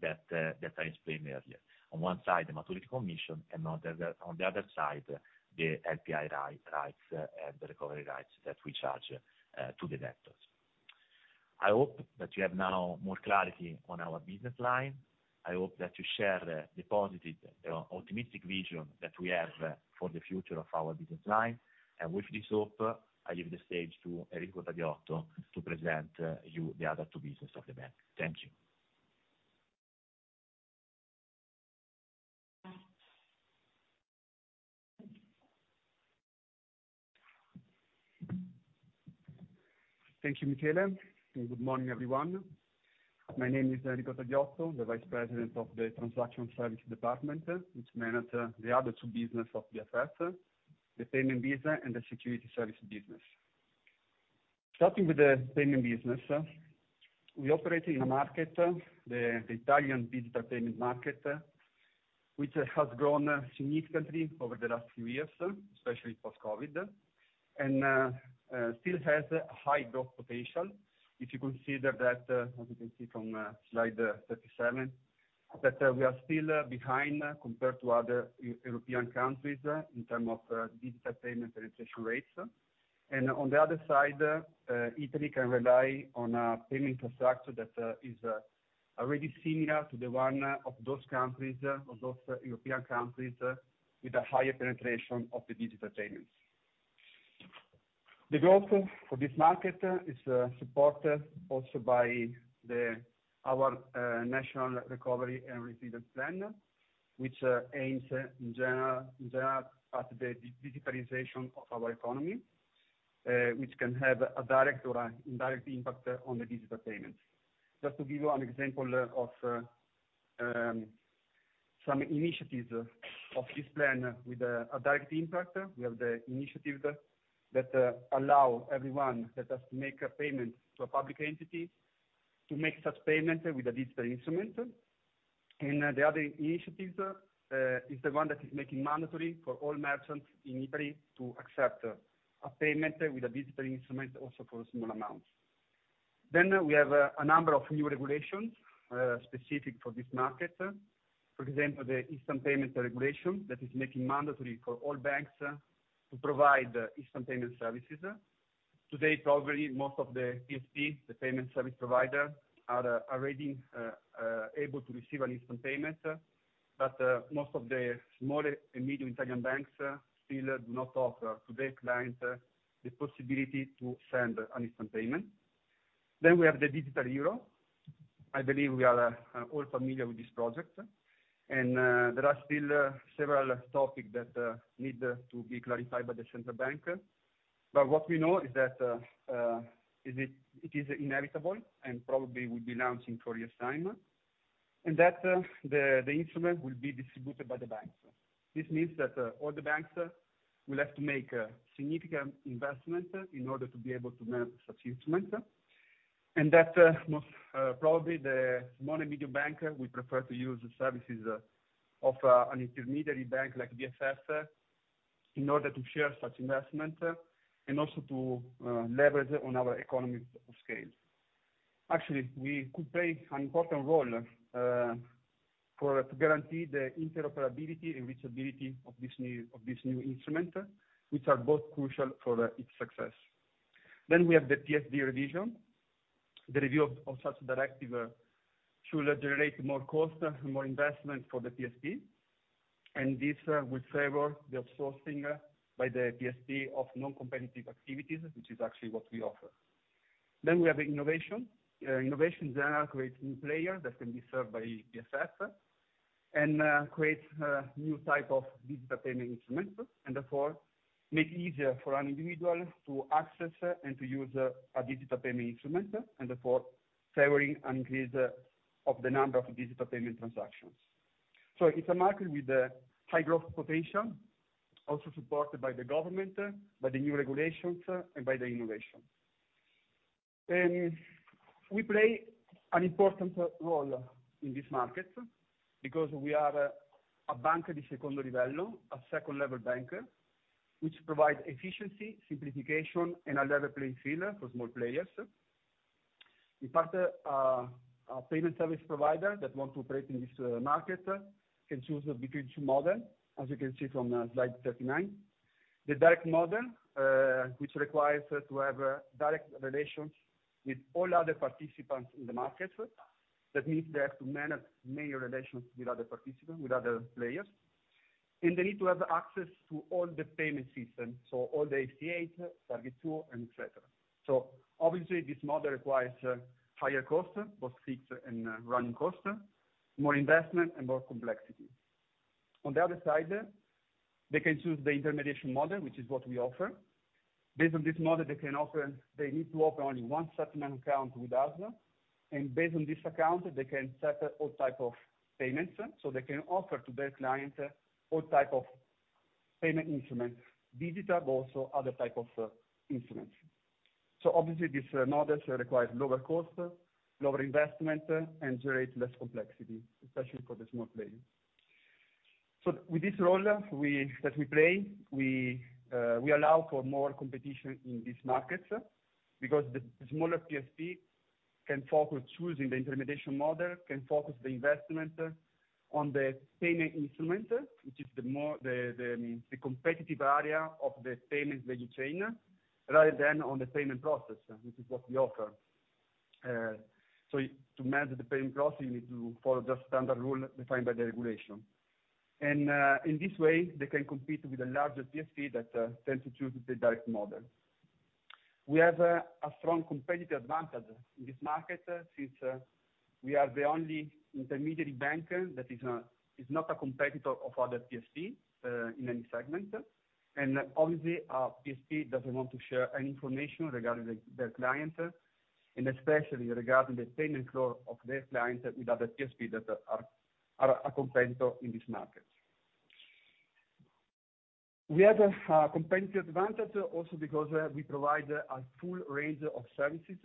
that I explained earlier. On one side, the maturity commission, and on the other side, the LPI rights and the recovery rights that we charge to the debtors. I hope that you have now more clarity on our business line. I hope that you share the positive or optimistic vision that we have for the future of our business line, and with this hope, I leave the stage to Enrico Tadiotto to present you the other two business of the bank. Thank you. Thank you, Michele, and good morning, everyone. My name is Enrico Tadiotto, the Vice President of the Transaction Services Department, which manage the other two business of BFF, the payment business and the security service business. Starting with the payment business, we operate in a market, the Italian digital payment market, which has grown significantly over the last few years, especially post-COVID, and still has a high growth potential. If you consider that as you can see from slide 37, that we are still behind compared to other European countries, in term of digital payment penetration rates. On the other side, Italy can rely on a payment infrastructure that is already similar to the one of those countries, of those European countries, with a higher penetration of the digital payments. The growth for this market is supported also by our National Recovery and Resilience Plan, which aims in general at the digitalization of our economy, which can have a direct or an indirect impact on the digital payments. Just to give you an example of some initiatives of this plan with a direct impact, we have the initiatives that allow everyone that has to make a payment to a public entity, to make such payment with a digital instrument. The other initiatives is the one that is making mandatory for all merchants in Italy, to accept a payment with a digital instrument, also for small amounts. We have a number of new regulations specific for this market. For example, the Instant Payment Regulation, that is making mandatory for all banks to provide instant payment services. Today, probably most of the PSP, the payment service provider, are already able to receive an instant payment, but most of the small and medium Italian banks still do not offer to their clients the possibility to send an instant payment. We have the digital euro. I believe we are all familiar with this project, and there are still several topics that need to be clarified by the Central Bank. What we know is that it is inevitable, and probably will be launching for the assignment, and that the instrument will be distributed by the banks. This means that all the banks will have to make a significant investment in order to be able to manage such instrument. That most probably the small and medium banker will prefer to use the services of an intermediary bank, like BFF, in order to share such investment and also to leverage on our economies of scale. Actually, we could play an important role for to guarantee the interoperability and reachability of this new instrument, which are both crucial for its success. We have the PSD revision. The review of such directive should generate more cost and more investment for the PSP, and this will favor the outsourcing by the PSP of non-competitive activities, which is actually what we offer. We have innovation. Innovation generally creates new players that can be served by BFF, and creates new type of digital payment instruments, and therefore, make it easier for an individual to access and to use a digital payment instrument. And therefore favoring an increase of the number of digital payment transactions. It's a market with a high growth potential, also supported by the government, by the new regulations, and by the innovation. We play an important role in this market because we are a bank, the secondo livello, a second-level bank, which provides efficiency, simplification, and a level playing field for small players. In fact, a payment service provider that want to operate in this market can choose between two model, as you can see from slide 39. The direct model, which requires us to have direct relations with all other participants in the market. That means they have to manage many relations with other participants, with other players. They need to have access to all the payment systems, so all the EBA, TARGET2, and etc. Obviously, this model requires higher cost, both fixed and running cost, more investment, and more complexity. On the other side, they can choose the intermediation model, which is what we offer. Based on this model, they need to open only one settlement account with us, and based on this account, they can settle all type of payments. They can offer to their client all type of payment instruments, digital, but also other type of instruments. Obviously, this model requires lower cost, lower investment, and generates less complexity, especially for the small players. With this role we play, we allow for more competition in these markets because the smaller PSP can focus choosing the intermediation model, can focus the investment on the payment instrument, which is the more competitive area of the payment value chain rather than on the payment process which is what we offer. To manage the payment process, you need to follow the standard rule defined by the regulation. In this way, they can compete with the larger PSP that tend to choose the direct model. We have a strong competitive advantage in this market since we are the only intermediary bank that is not a competitor of other PSP in any segment. Obviously, our PSP doesn't want to share any information regarding their client, and especially regarding the payment flow of their clients with other PSP that are a competitor in this market. We have a competitive advantage also because we provide a full range of services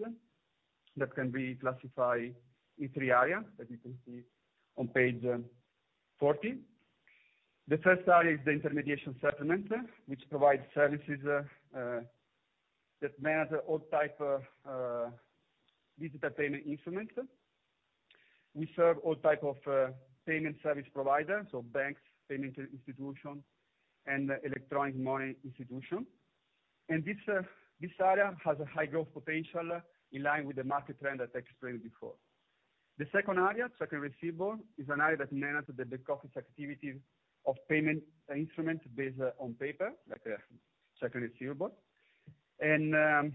that can be classified in three areas, as you can see on page 14. The first area is the intermediation settlement, which provides services that manage all type of digital payment instruments. We serve all type of payment service providers, so banks, payment institution, and electronic money institution. This area has a high growth potential in line with the market trend that I explained before. The second area, check and receivable, is an area that manage the back office activities of payment instrument based on paper, like check and receivable. In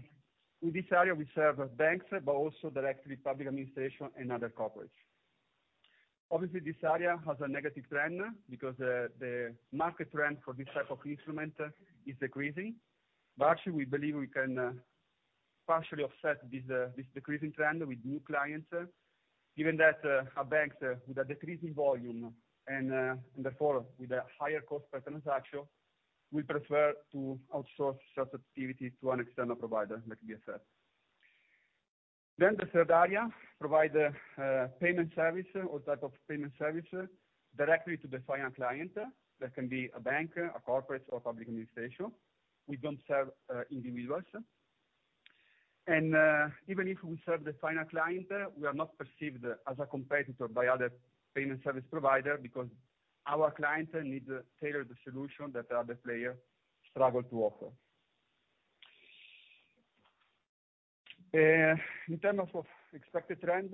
this area we serve banks, but also directly public administration and other corporations. Obviously, this area has a negative trend because the market trend for this type of instrument is decreasing. Actually we believe we can partially offset this decreasing trend with new clients, given that our banks with a decreasing volume and therefore with a higher cost per transaction, we prefer to outsource such activity to an external provider, like BFF. The third area provide payment service, all type of payment service directly to the final client. That can be a bank, a corporate, or public administration. We don't serve individuals. Even if we serve the final client, we are not perceived as a competitor by other payment service provider because our clients need a tailored solution that the other players struggle to offer. In terms of expected trends,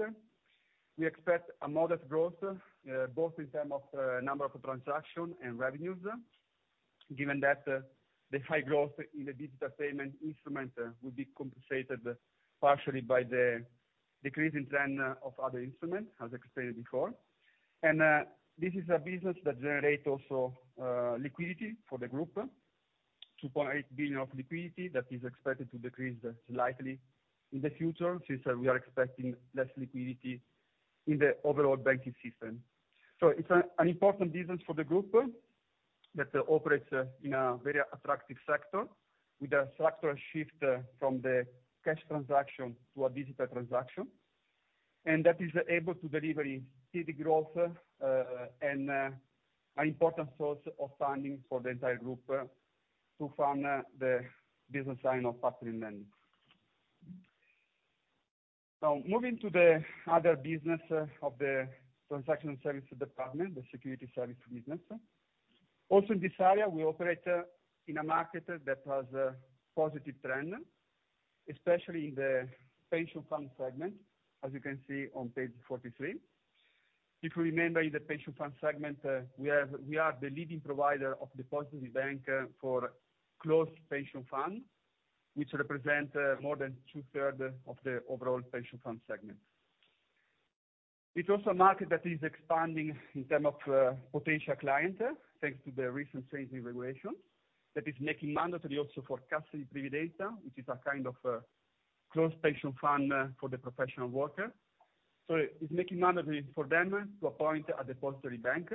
we expect a modest growth, both in terms of number of transactions and revenues, given that the high growth in the digital payment instrument will be compensated partially by the decreasing trend of other instruments, as I explained before. This is a business that generates also liquidity for the group, 2.8 billion of liquidity that is expected to decrease slightly in the future since we are expecting less liquidity in the overall banking system. It's an important business for the group that operates in a very attractive sector, with a structural shift from the cash transaction to a digital transaction, and that is able to deliver steady growth and an important source of funding for the entire group to fund the business line of personal lending. Moving to the other business of the transaction services department, the security services business. Also, in this area, we operate in a market that has a positive trend, especially in the pension fund segment, as you can see on page 43. If you remember, in the pension fund segment, we are the leading provider of depositary bank for closed pension funds, which represent more than 2/3 of the overall pension fund segment. It's also a market that is expanding in terms of potential clients, thanks to the recent change in regulation that is making mandatory also for Cassa di Previdenza, which is a kind of closed pension fund for the professional worker. It's making mandatory for them to appoint a depositary bank.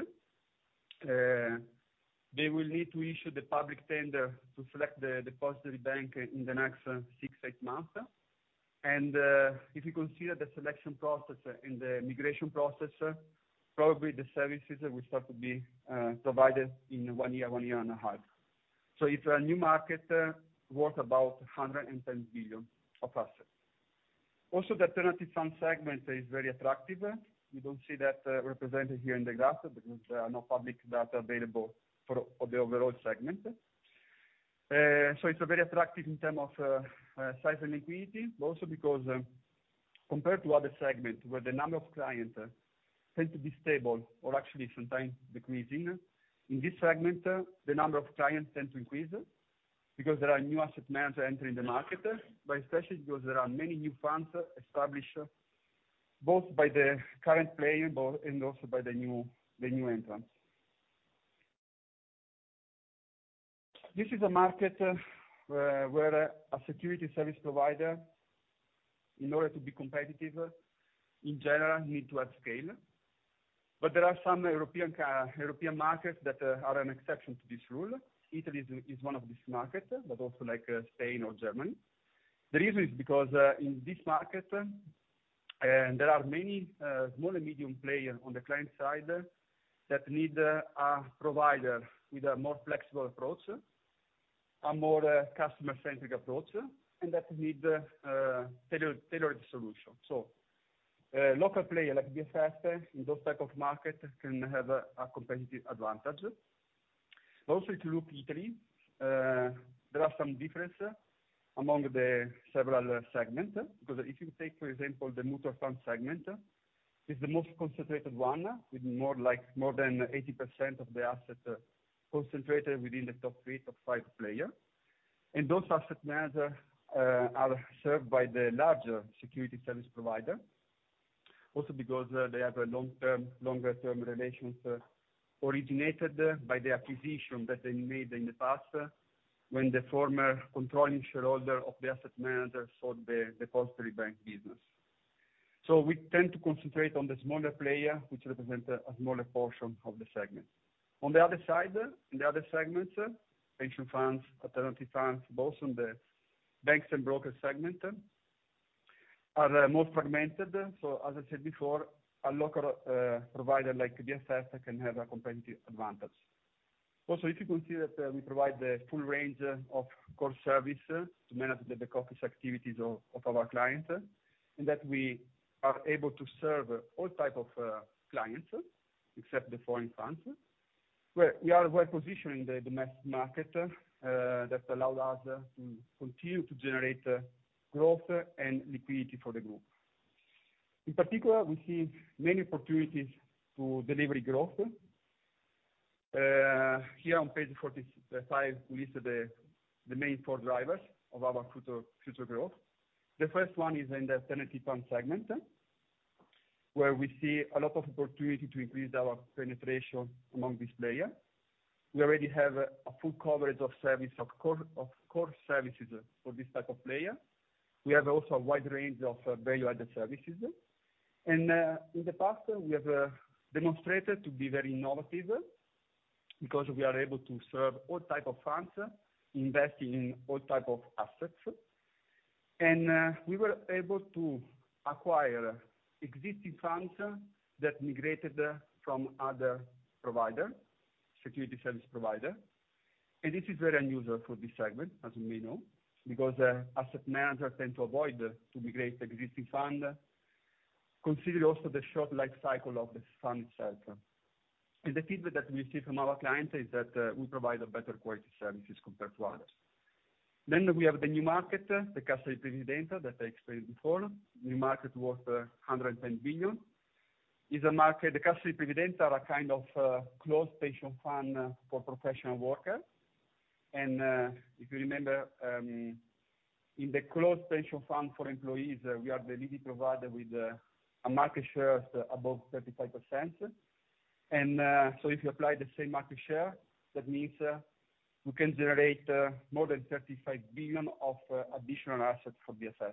They will need to issue the public tender to select the depositary bank in the next 6, 8 months. If you consider the selection process and the migration process, probably the services will start to be provided in one year and a half. It's a new market, worth about 110 billion of assets. Also, the alternative fund segment is very attractive. We don't see that represented here in the graph because there are no public data available for the overall segment. It's a very attractive in terms of size and liquidity, also because, compared to other segment where the number of clients tend to be stable or actually sometimes decreasing, in this segment, the number of clients tend to increase because there are new asset managers entering the market, especially because there are many new funds established, both by the current player and also by the new entrants. This is a market where a security service provider, in order to be competitive, in general, need to have scale. There are some European markets that are an exception to this rule. Italy is one of this market, also like Spain or Germany. The reason is because in this market, there are many small and medium player on the client side that need a provider with a more flexible approach, a more customer-centric approach, and that need tailored solution. Local player like BFF, in those type of market, can have a competitive advantage. If you look Italy, there are some difference among the several segment, because if you take, for example, the mutual fund segment, is the most concentrated one with more than 80% of the asset concentrated within the top three-five player. Those asset manager are served by the larger security service provider, also because, they have a long term, longer term relations, originated by the acquisition that they made in the past, when the former controlling shareholder of the asset manager sold the depositary bank business. We tend to concentrate on the smaller player, which represent a smaller portion of the segment. On the other side, in the other segments, pension funds, alternative funds, both on the banks and brokers segment, are more fragmented. As I said before, a local provider, like BFF, can have a competitive advantage. Also, if you consider that we provide the full range of core service to manage the core activities of our clients, and that we are able to serve all type of clients, except the foreign funds, where we are well positioned in the mass market that allowed us to continue to generate growth and liquidity for the group. In particular, we see many opportunities to delivery growth. Here on page 45, we list the main four drivers of our future growth. The first one is in the alternative fund segment, where we see a lot of opportunity to increase our penetration among this player. We already have a full coverage of service, of core services for this type of player. We have also a wide range of value-added services. In the past, we have demonstrated to be very innovative because we are able to serve all type of funds, invest in all type of assets. We were able to acquire existing funds that migrated from other provider, security service provider. This is very unusual for this segment, as we know, because asset managers tend to avoid to migrate existing fund, consider also the short life cycle of the fund itself. The feedback that we see from our clients is that we provide a better quality services compared to others. We have the new market, the Cassa di Previdenza, that I explained before. New market worth 110 billion, is a market, the Cassa di Previdenza are a kind of closed pension fund for professional workers. If you remember, in the closed pension fund for employees, we are the leading provider with a market share above 35%. If you apply the same market share, that means we can generate more than 35 billion of additional assets for BFF.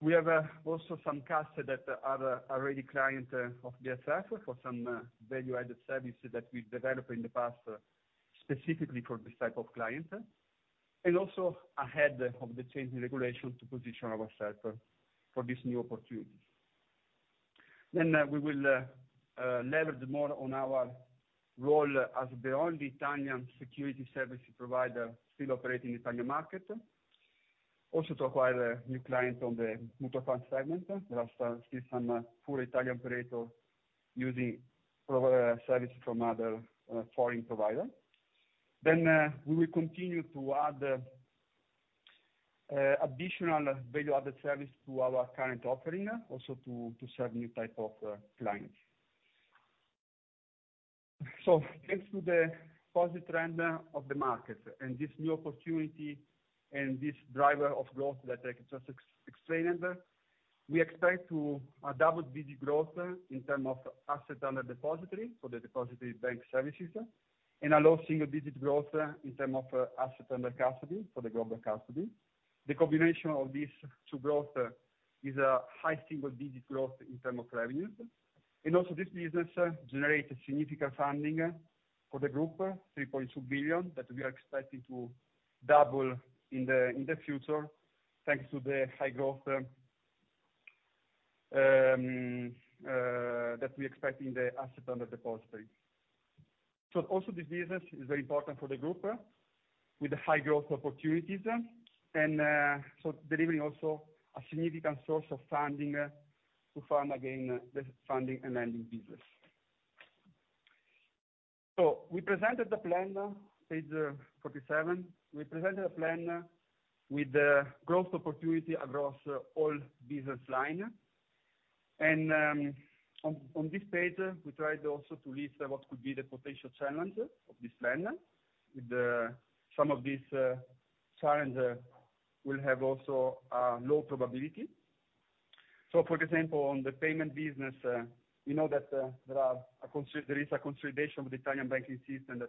We have also some Cassa that are already client of BFF for some value-added services that we developed in the past, specifically for this type of client, and also ahead of the changing regulation to position ourselves for this new opportunity. We will leverage more on our role as the only Italian security service provider still operating Italian market. Also, to acquire new clients on the mutual fund segment. There are still some poor Italian operator using provider services from other foreign provider. We will continue to add additional value-added service to our current offering, also to serve new type of clients. Thanks to the positive trend of the market and this new opportunity, and this driver of growth that I just explained, we expect to a double-digit growth in term of assets under depository for the depositary bank services, and a low single-digit growth in term of asset under custody for the global custody. The combination of these two growth is a high single-digit growth in term of revenue. Also this business generates significant funding for the group, 3.2 billion, that we are expecting to double in the future, thanks to the high growth that we expect in the assets under depository. Also this business is very important for the group, with the high growth opportunities, delivering also a significant source of funding to fund, again, the funding and lending business. We presented the plan, page 47. We presented a plan with the growth opportunity across all business line. On this page, we tried also to list what could be the potential challenge of this plan, with some of these challenge will have also low probability. For example, on the payment business, we know that there is a consolidation of the Italian banking system that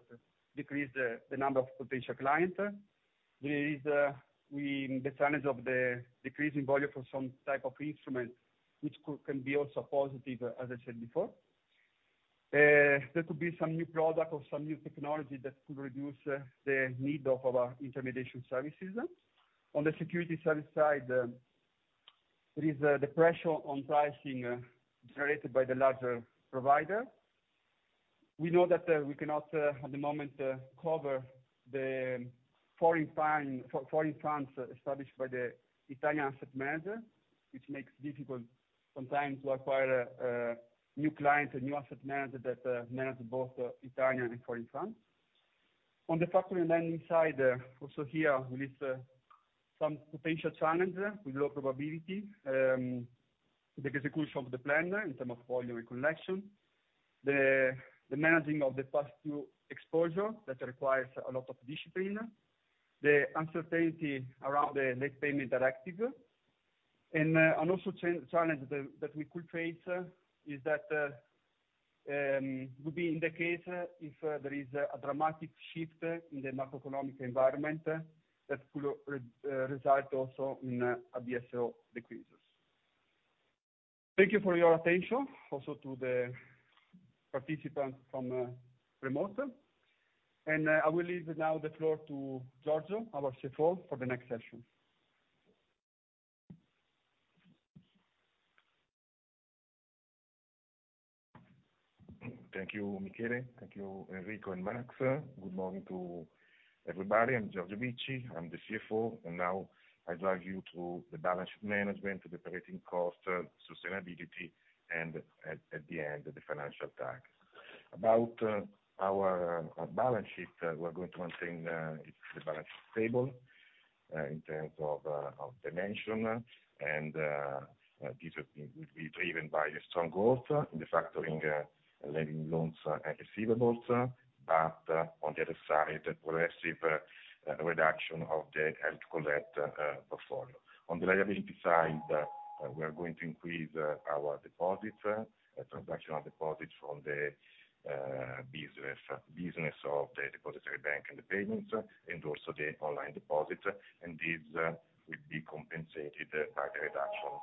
decrease the number of potential client. There is the challenge of the decreasing volume for some type of instrument, which can be also positive, as I said before. There could be some new product or some new technology that could reduce the need of our intermediation services. On the security service side, there is the pressure on pricing generated by the larger provider. We know that we cannot at the moment cover the foreign funds established by the Italian asset manager, which makes difficult sometimes to acquire new clients and new asset manager that manage both Italian and foreign funds. On the Factoring & Lending side, also here, with some potential challenge with low probability. The plan in terms of volume and collection, the managing of the past due exposure that requires a lot of discipline. The uncertainty around the Late Payment Directive, and also challenge that we could face is that would be in the case if there is a dramatic shift in the macroeconomic environment that could result also in a DSO decrease. Thank you for your attention, also to the participants from remote. I will leave now the floor to Giorgio, our CFO, for the next session Thank you, Michele. Thank you, Enrico and Max. Good morning to everybody. I'm Piergiorgio Bicci, I'm the CFO, and now I guide you through the balance sheet management, the operating cost, sustainability, and at the end, the financial target. About our balance sheet, we're going to maintain the balance stable in terms of dimension. This will be driven by the strong growth in the Factoring & Lending loans and receivables, but on the other side, progressive reduction of the hard-to-collect portfolio. On the liability side, we are going to increase our deposit, transactional deposits from the business of the depositary bank and the payments, and also the online deposit. This will be compensated by the reduction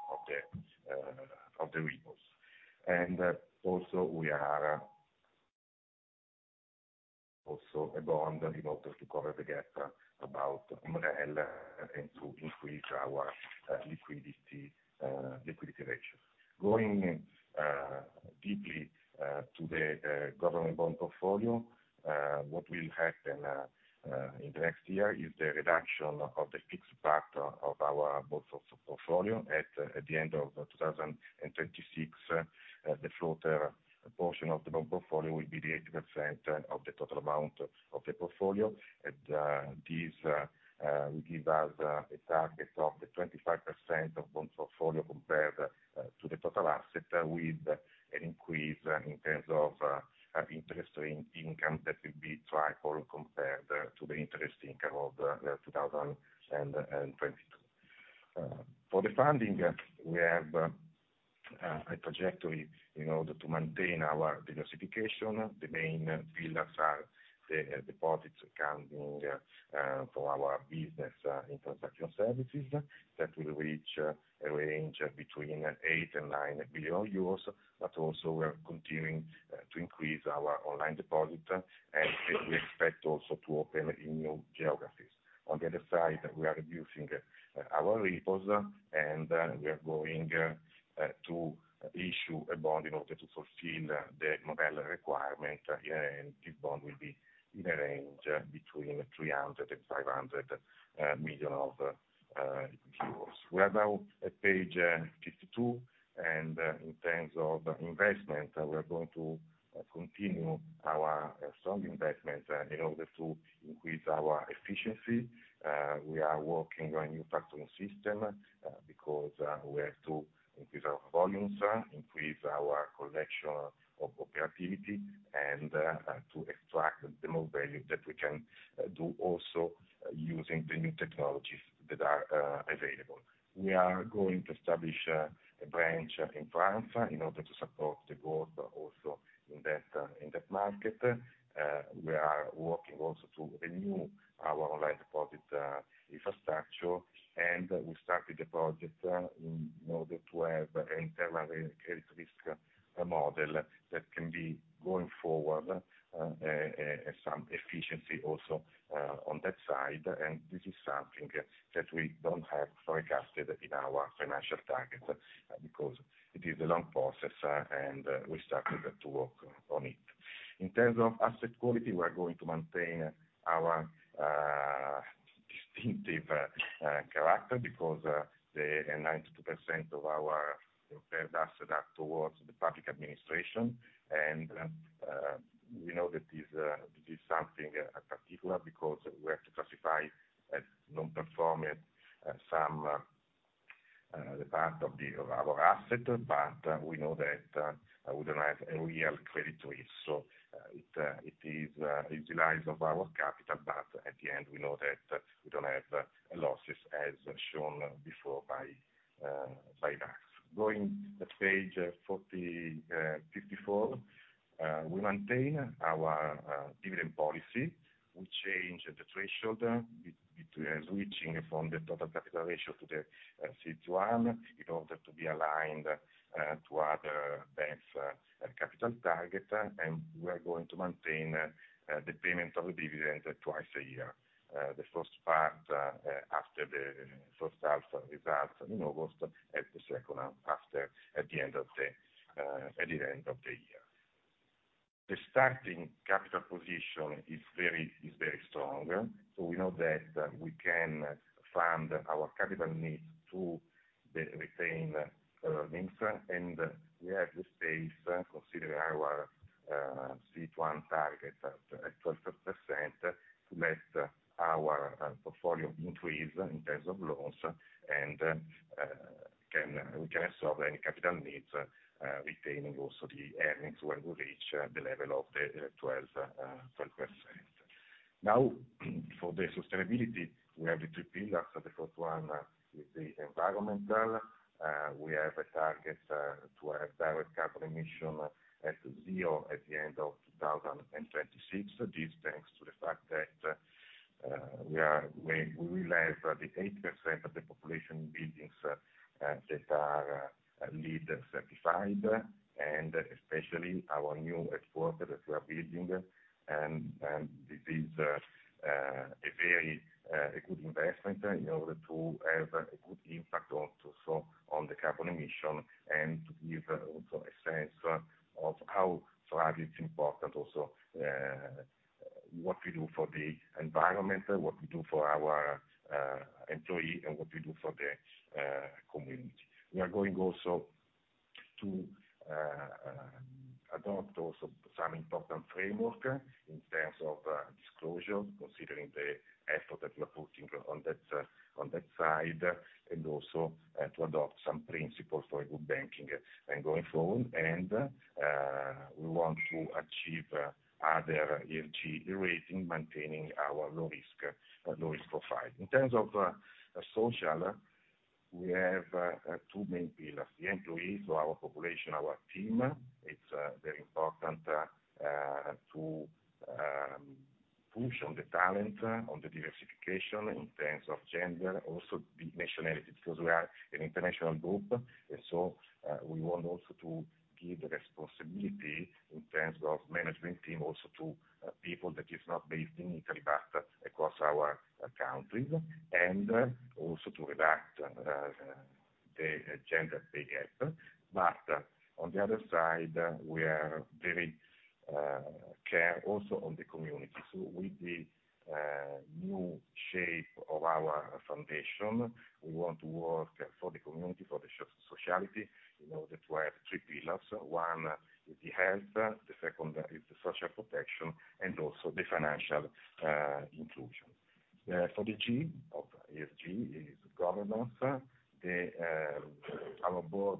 of the repos. Also, we are also a bond in order to cover the gap about MREL, and to increase our liquidity ratio. Going deeply to the government bond portfolio, what will happen in the next year is the reduction of the fixed part of our bond portfolio. At the end of 2026, the floater portion of the bond portfolio will be the 8% of the total amount of the portfolio. This will give us a target of the 25% of bond portfolio compared to the total asset, with an increase in terms of interest income that will be triple compared to the interest income of 2022. For the funding, we have a trajectory in order to maintain our diversification. The main pillars are the deposits coming from our business in Transaction Services, that will reach a range between 8 billion and 9 billion euros. Also, we're continuing to increase our online deposit, and we expect also to open in new geographies. On the other side, we are reducing our repos, and we are going to issue a bond in order to fulfill the MREL requirement, and this bond will be in a range between 300 million euros and 500 million. We're now at page 52, in terms of investment, we're going to continue our strong investment in order to increase our efficiency. We are working on new factoring system because we have to increase our volumes, increase our collection of operativity, and to extract the more value that we can do, also using the new technologies that are available. We are going to establish a branch in France in order to support the growth also in that in that market. We are working also to renew our online deposit infrastructure, and we started the project in order to have an internal credit risk model that can be going forward some efficiency also on that side. This is something that we don't have forecasted in our financial target because it is a long process, and we started to work on it. In terms of asset quality, we are going to maintain our distinctive character because the 92% of our asset are towards the public administration. We know that this this is something particular because we have to classify as non-performing some the part of the of our asset, but we know that we don't have a real credit risk. It it is utilize of our capital, but at the end, we know that we don't have losses as shown before by by that. Going to page 40, 54, we maintain our dividend policy. We change the threshold between switching from the total capital ratio to the CET1, in order to be aligned to other banks capital target. We are going to maintain the payment of the dividend twice a year. The first part after the first half results in August, and the second half after, at the end of the year. The starting capital position is very strong, so we know that we can fund our capital needs to the retained earnings. We have the space, considering our CET1 target at 12%, to let our portfolio increase in terms of loans and we can solve any capital needs retaining also the earnings when we reach the level of the 12%. Now, for the sustainability, we have the three pillars. The first one is the environmental. We have a target to have direct carbon emission at zero at the end of 2026. This thanks to the fact that we will have the 8% of the population buildings that are LEED certified, and especially our new headquarter that we are building. This is a very good investment in order to have a good impact also on the carbon emission. And to give also a sense of how for us it's important also what we do for the environment, what we do for our employee, and what we do for the community. We are going also to adopt also some important framework in terms of disclosure, considering the effort that we are putting on that on that side, and also to adopt some principles for good banking going forward. We want to achieve other ESG rating, maintaining our low risk low risk profile. In terms of social, we have two main pillars: the employees, so our population, our team, it's very important to push on the talent, on the diversification in terms of gender, also the nationality, because we are an international group. We want also to give the responsibility in terms of management team, also to people that is not based in Italy, but across our countries, and also to reduce the gender pay gap. On the other side, we are very care also on the community. With the new shape of our foundation, we want to work for the community, for the sociality, in order to have three pillars. One is the health, the second is the social protection, and also the financial inclusion. For the G of ESG is governance. Our board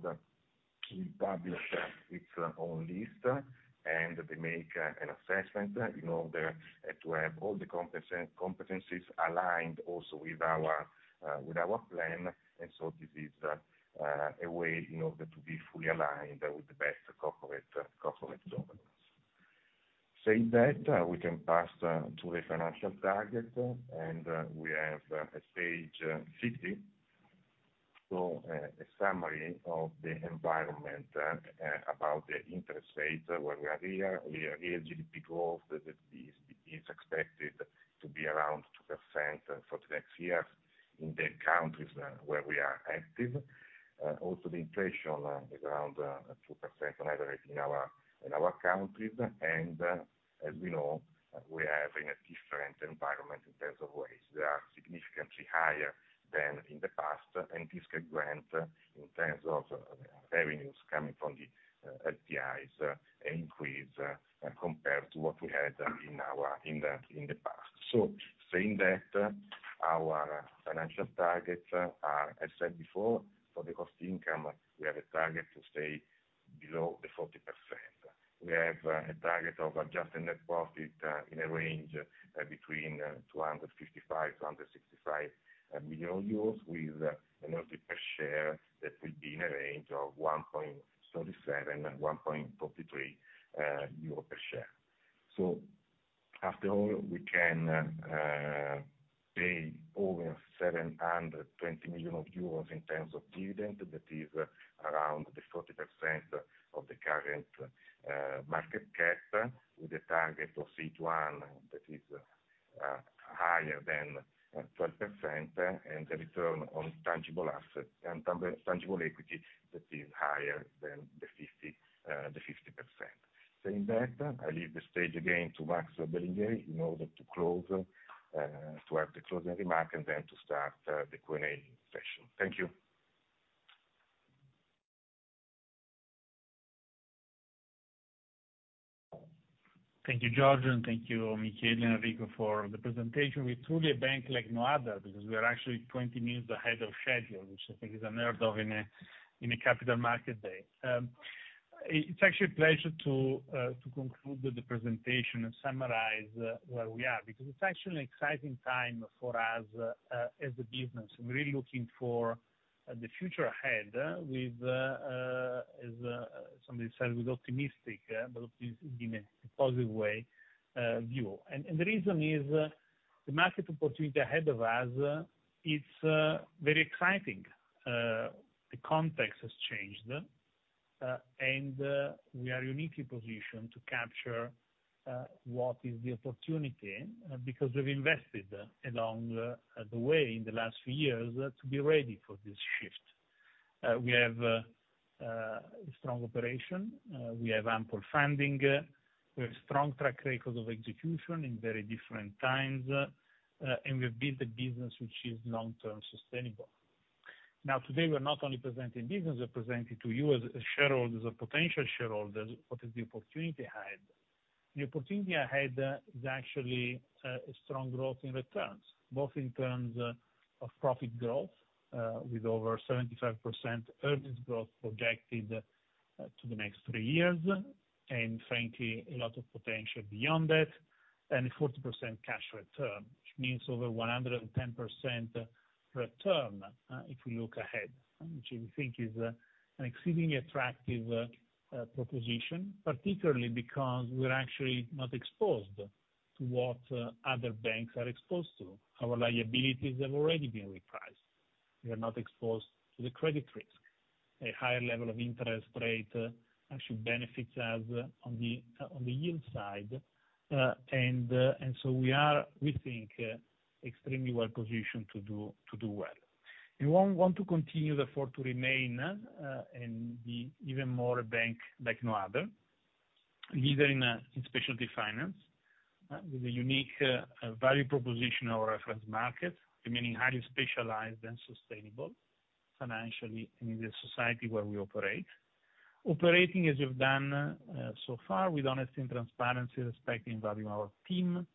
published its own list, and they make an assessment in order to have all the competencies aligned also with our with our plan. This is a way in order to be fully aligned with the best corporate governance. Saying that, we can pass to the financial target, we have page 50. A summary of the environment, about the interest rate, where we are here, GDP growth is expected to be around 2% for the next year in the countries where we are active. Also the inflation is around 2% on average in our countries. As we know, we are having a different environment in terms of rates. They are significantly higher than in the past, and this could grant, in terms of revenues coming from the deposits, an increase, compared to what we had in the past. Saying that, our financial targets are, as said before, for the cost income, we have a target to stay below the 40%. We have a target of adjusted net profit in a range between 255 million-265 million euros, with an earnings per share that will be in a range of 1.27-1.23 euro per share. After all, we can pay over 720 million euros in terms of dividend. That is around 40% of the current market cap, with a target of CET1 that is higher than 12%, and a return on tangible asset and tangible equity that is higher than 50%. Saying that, I leave the stage again to Max in order to close, to have the closing remark, to start the Q&A session. Thank you. Thank you, Giorgio, and thank you, Michele and Enrico, for the presentation. We're truly a bank like no other, because we are actually 20 minutes ahead of schedule, which I think is a record in a capital market day. It's actually a pleasure to conclude with the presentation and summarize where we are, because it's actually an exciting time for us as a business. We're really looking for the future ahead, with as somebody said, with optimistic, but in a positive way, view. The reason is, the market opportunity ahead of us is very exciting. The context has changed, and we are uniquely positioned to capture what is the opportunity, because we've invested along the way in the last few years to be ready for this shift. We have a strong operation, we have ample funding, we have strong track record of execution in very different times, and we've built a business which is long-term sustainable. Today, we're not only presenting business, we're presenting to you as shareholders, as potential shareholders, what is the opportunity ahead. The opportunity ahead is actually a strong growth in returns, both in terms of profit growth, with over 75% earnings growth projected to the next three years, and frankly, a lot of potential beyond that, and a 40% cash return, which means over 110% return, if we look ahead, which we think is an exceedingly attractive proposition. Particularly because we're actually not exposed to what other banks are exposed to. Our liabilities have already been repriced. We are not exposed to the credit risk. A higher level of interest rate actually benefits us on the on the yield side. We are, we think, extremely well positioned to do well. We want to continue therefore to remain and be even more a bank like no other, either in specialty finance, with a unique value proposition in our reference market, remaining highly specialized and sustainable financially in the society where we operate. Operating, as we've done so far, with honesty and transparency, respecting and valuing our team,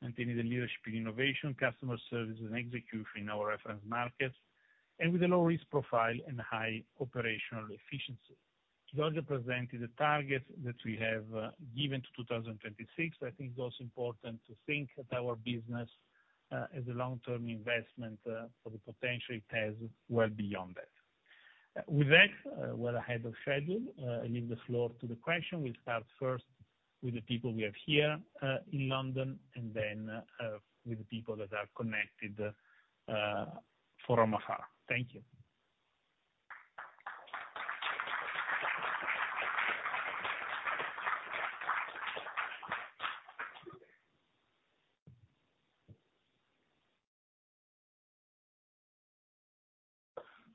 maintaining the leadership in innovation, customer service, and execution in our reference markets, and with a low-risk profile and high operational efficiency. Giorgio presented the target that we have given to 2026. I think it's also important to think that our business as a long-term investment for the potential it has well beyond that. With that, we're ahead of schedule. I leave the floor to the question. We'll start first with the people we have here in London, and then with the people that are connected from afar. Thank you.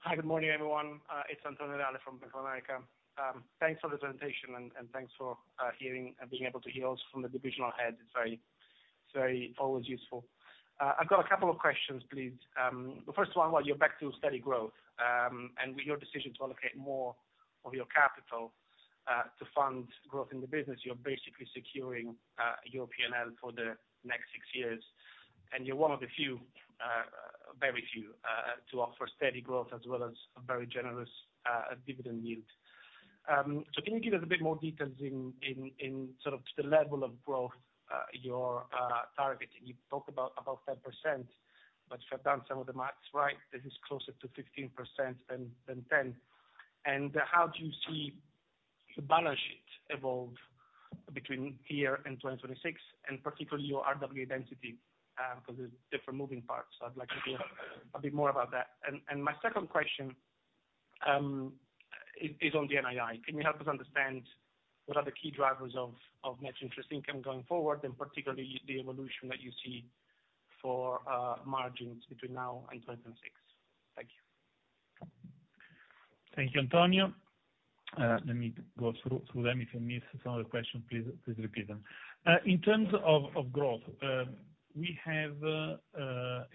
Hi, good morning, everyone. It's Antonio from Bank of America. Thanks for the presentation, and thanks for hearing and being able to hear us from the divisional head. It's very always useful. I've got a couple of questions, please. The first one, well, you're back to steady growth, with your decision to allocate more of your capital to fund growth in the business, you're basically securing your PNL for the next six years. You're one of the few, very few, to offer steady growth as well as a very generous dividend yield. Can you give us a bit more details in sort of the level of growth you're targeting? You talked about 10%, if I've done some of the math right, this is closer to 15% than 10. How do you see the balance sheet evolve between here and 2026, and particularly your RWA density? because there's different moving parts. I'd like to hear a bit more about that. my second question is on the NII. Can you help us understand what are the key drivers of net interest income going forward, and particularly the evolution that you see for margins between now and 2026? Thank you. Thank you, Antonio. Let me go through them. If you miss some of the questions, please repeat them. In terms of growth, we have a 10%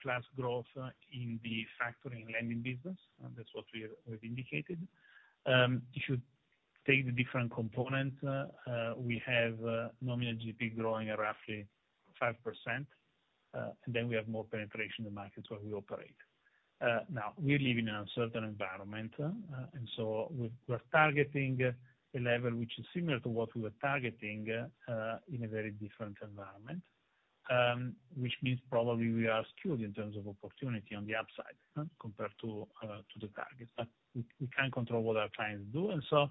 plus growth in the Factoring & Lending business, that's what we have indicated. If you take the different components, we have nominal GDP growing at roughly 5%, then we have more penetration in the markets where we operate. Now, we live in an uncertain environment, so we're targeting a level which is similar to what we were targeting in a very different environment, which means probably we are skewed in terms of opportunity on the upside compared to the target. We can't control what our clients do, we're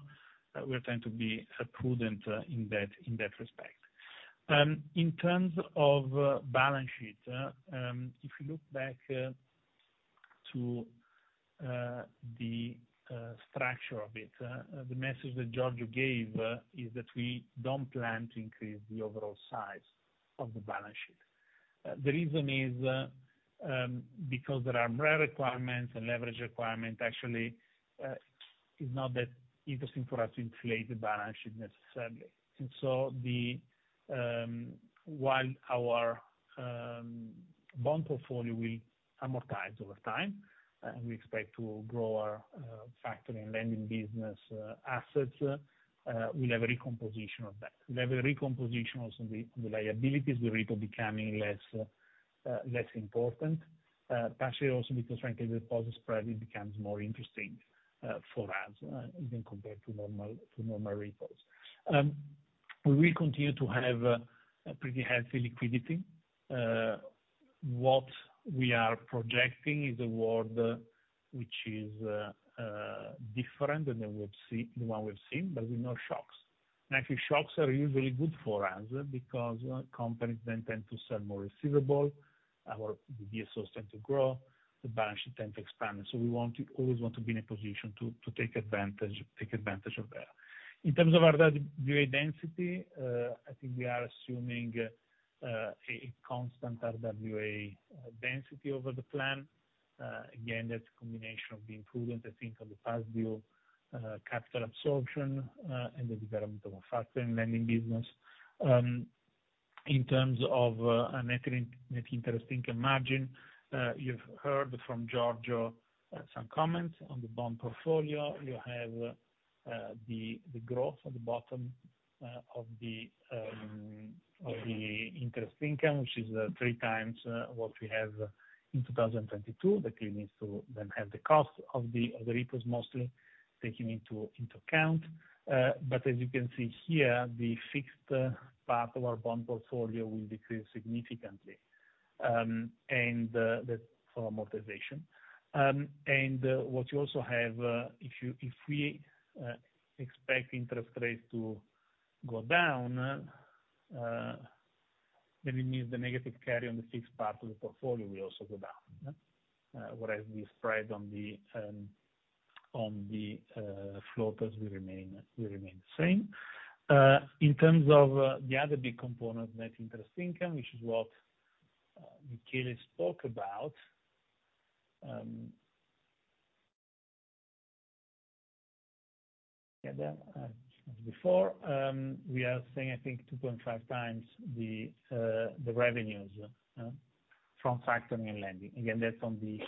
trying to be prudent in that respect. In terms of balance sheet, if you look back to the structure of it, the message that Giorgio gave is that we don't plan to increase the overall size of the balance sheet. The reason is because there are RWA requirements and leverage requirement, actually, it's not that interesting for us to inflate the balance sheet necessarily. While our bond portfolio will amortize over time, we expect to grow our Factoring & Lending business assets, we'll have a re-composition of that. We have a re-composition of the liabilities, the repo becoming less important, partially also because frankly, the deposit spread becomes more interesting for us, even compared to normal repos. We will continue to have a pretty healthy liquidity. What we are projecting is a world which is different than we've seen, the one we've seen, but with no shocks. Actually, shocks are usually good for us, because companies then tend to sell more receivable, our DSOs tend to grow, the balance sheet tend to expand. We always want to be in a position to take advantage of that. In terms of our RWA density, I think we are assuming a constant RWA density over the plan. Again, that's a combination of the improvement, I think, on the past view, capital absorption, and the development of our factoring lending business. In terms of a net interest income margin, you've heard from Giorgio some comments on the bond portfolio. You have the growth at the bottom of the interest income, which is 3 times what we have in 2022. That needs to have the cost of the repos mostly taking into account. As you can see here, the fixed path of our bond portfolio will decrease significantly, and that's for amortization. What you also have, if you, if we expect interest rates to go down, then it means the negative carry on the fixed part of the portfolio will also go down. Whereas the spread on the floaters will remain the same. In terms of the other big component, net interest income, which is what Michele spoke about, Yeah, before, we are saying, I think 2.5 times the revenues from Factoring & Lending. Again, that's on the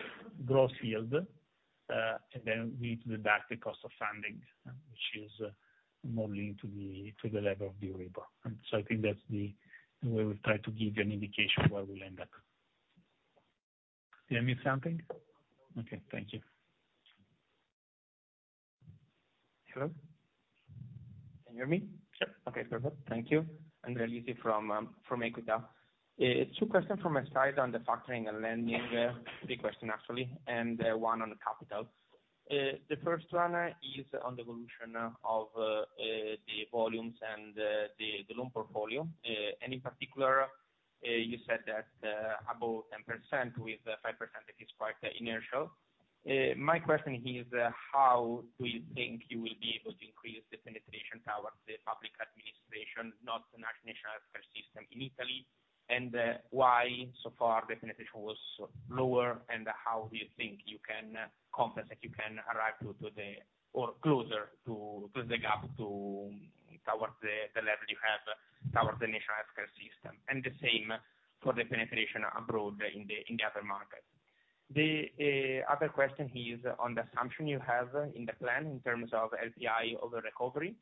growth yield, we need to deduct the cost of funding, which is more linked to the level of the repo. I think that's the way we've tried to give you an indication where we'll end up. Did I miss something? Okay, thank you. Hello? Can you hear me? Sure. Okay, perfect. Thank you. Andrea Lisi from Equita. Two questions from my side on the Factoring & Lending. Three questions, actually, one on the capital. The first one is on the evolution of the volumes and the loan portfolio. In particular, you said that about 10% with 5%, it is quite inertial. My question is, how do you think you will be able to increase the penetration towards the public administration, not the National Healthcare System in Italy? Why so far the penetration was lower, and how do you think you can confess that you can arrive or closer to, close the gap towards the level you have towards the National Healthcare System, and the same for the penetration abroad in the other markets. The other question is on the assumption you have in the plan in terms of LPI over recovery,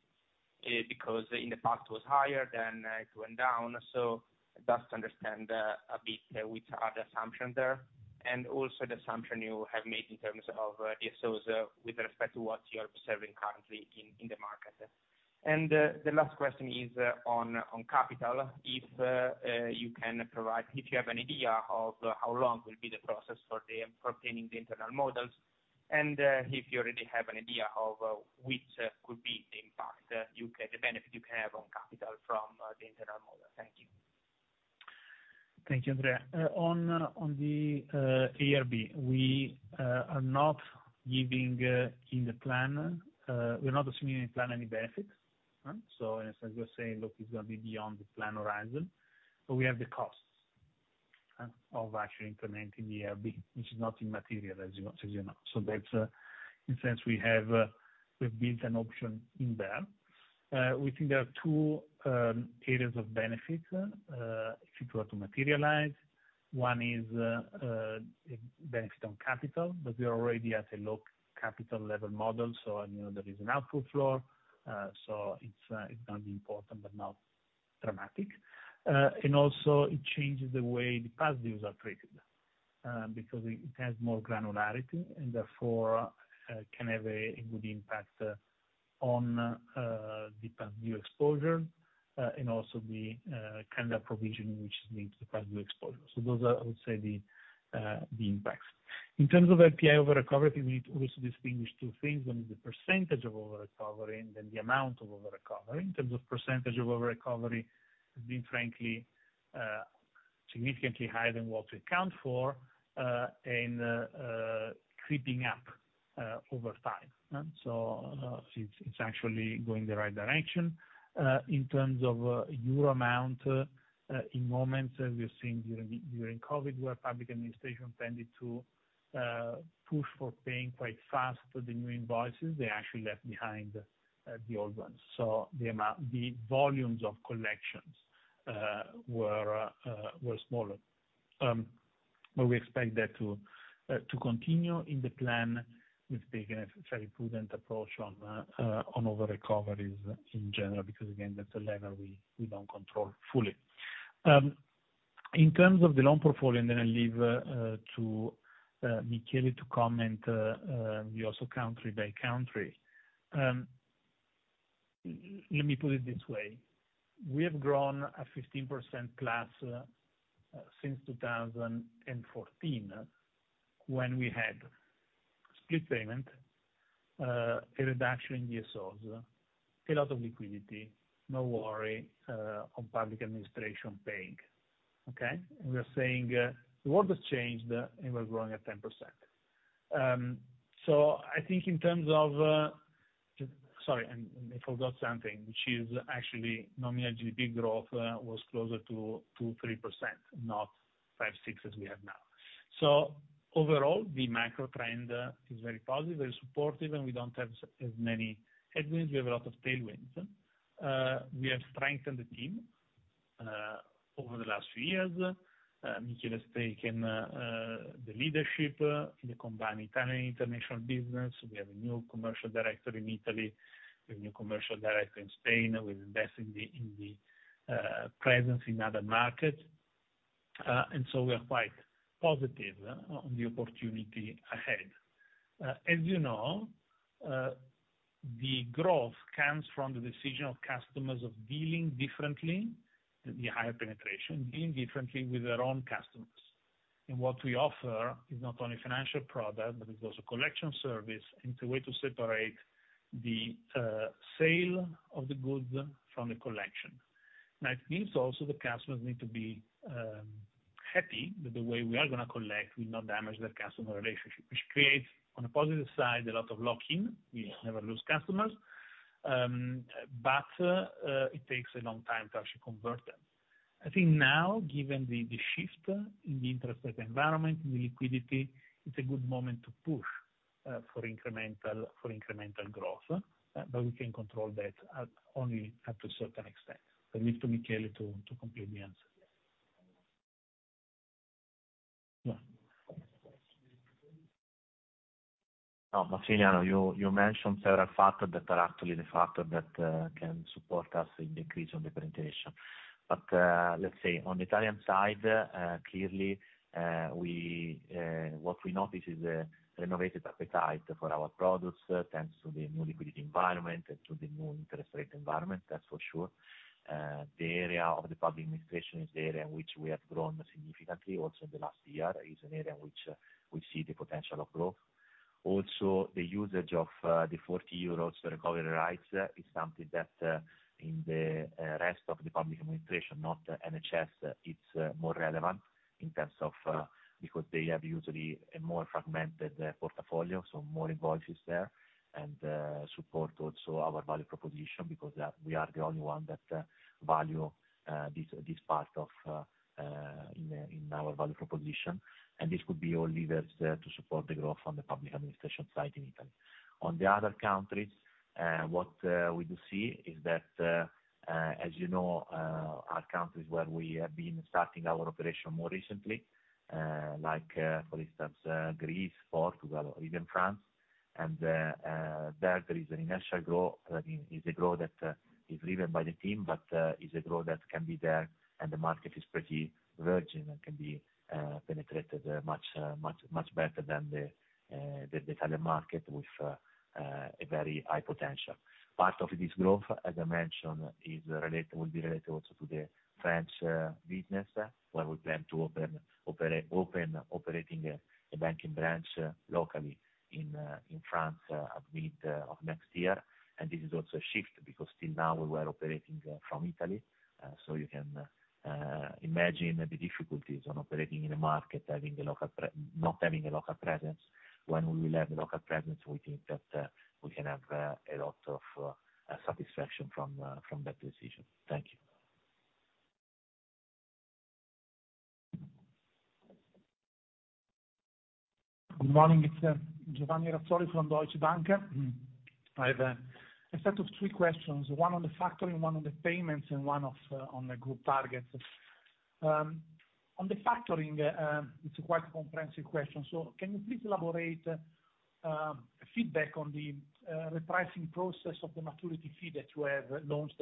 because in the past it was higher, then it went down. Just to understand a bit, which are the assumption there, and also the assumption you have made in terms of DSOs with respect to what you are observing currently in the market. The last question is on capital. If you can provide, if you have an idea of how long will be the process for obtaining the internal models, and if you already have an idea of which could be the impact, the benefit you can have on capital from the internal model. Thank you. Thank you, Andrea. On the IRB, we are not giving in the plan, we're not assuming in the plan any benefits, right? As I was saying, look, it's gonna be beyond the plan horizon, but we have the costs of actually implementing the IRB, which is not immaterial, as you know, as you know. That's in sense, we have we've built an option in there. We think there are two areas of benefit if it were to materialize. One is benefit on capital, but we are already at a low capital level model, so I know there is an output floor, so it's gonna be important but not dramatic. Also it changes the way the past views are treated, because it has more granularity, and therefore, can have a good impact on the past view exposure, and also the kind of provision which is linked to past view exposure. Those are, I would say, the impacts. In terms of LPI over recovery, we need to also distinguish two things. One is the percentage of over recovery, and then the amount of over recovery. In terms of percentage of over recovery, it's been frankly, significantly higher than what we account for, and creeping up over time, and so, it's actually going the right direction. In terms of euro amount, in moments, we're seeing during COVID, where public administration tended to push for paying quite fast for the new invoices, they actually left behind the old ones. The amount, the volumes of collections were smaller. We expect that to continue in the plan with taking a very prudent approach on over recoveries in general, because, again, that's a lever we don't control fully. In terms of the loan portfolio, then I leave to Michele to comment, we also country by country. Let me put it this way, we have grown a 15% plus since 2014, when we had split payment, a reduction in DSOs, a lot of liquidity, no worry on public administration paying, okay. We are saying, the world has changed, and we're growing at 10%. I think in terms of sorry, I forgot something, which is actually nominal GDP growth was closer to 3%, not 5%, 6%, as we have now. Overall, the micro trend is very positive, very supportive, and we don't have as many headwinds. We have a lot of tailwinds. We have strengthened the team over the last few years. Michele has taken the leadership in the combined Italian international business. We have a new commercial director in Italy, a new commercial director in Spain. We're investing in the presence in other markets, and so we are quite positive on the opportunity ahead. As you know, the growth comes from the decision of customers of dealing differently, the higher penetration, dealing differently with their own customers. What we offer is not only financial product, but it's also collection service, and it's a way to separate the sale of the goods from the collection. Now, it means also the customers need to be happy that the way we are gonna collect will not damage the customer relationship, which creates, on a positive side, a lot of lock-in. We never lose customers, but it takes a long time to actually convert them. I think now, given the shift in the interest rate environment, in the liquidity, it's a good moment to push for incremental growth, but we can control that only up to a certain extent. I leave to Michele to complete the answer. Massimiliano, you mentioned several factors that are actually the factor that can support us in the increase on the penetration. Let's say on the Italian side, clearly, what we notice is a renovated appetite for our products, thanks to the new liquidity environment and to the new interest rate environment, that's for sure. The area of the public administration is the area in which we have grown significantly also in the last year, is an area in which we see the potential of growth. The usage of the 40 euros Recovery Cost Rights is something that in the rest of the public administration, not NHS, it's more relevant in terms of, because they have usually a more fragmented portfolio, so more invoices there, and support also our value proposition, because we are the only one that value this part of in our value proposition, and this could be all levers there to support the growth on the public administration side in Italy. The other countries, what we do see is that, as you know, are countries where we have been starting our operation more recently, like, for instance, Greece, Portugal, or even France. There is an initial growth, is a growth that, is driven by the team, but, is a growth that can be there, and the market is pretty virgin and can be penetrated much, much better than the Italian market with a very high potential. Part of this growth, as I mentioned, will be related also to the French business, where we plan to open operating a banking branch locally in France at mid of next year. This is also a shift, because till now we were operating from Italy. You can imagine the difficulties on operating in a market, not having a local presence. When we will have local presence, we think that we can have a lot of satisfaction from from that decision. Thank you. Good morning. It's Giovanni Razzoli from Deutsche Bank. I've a set of three questions, one on the Factoring, one on the payments, and one on the group targets. On the Factoring, it's a quite comprehensive question, so can you please elaborate feedback on the repricing process of the maturity fee that you have launched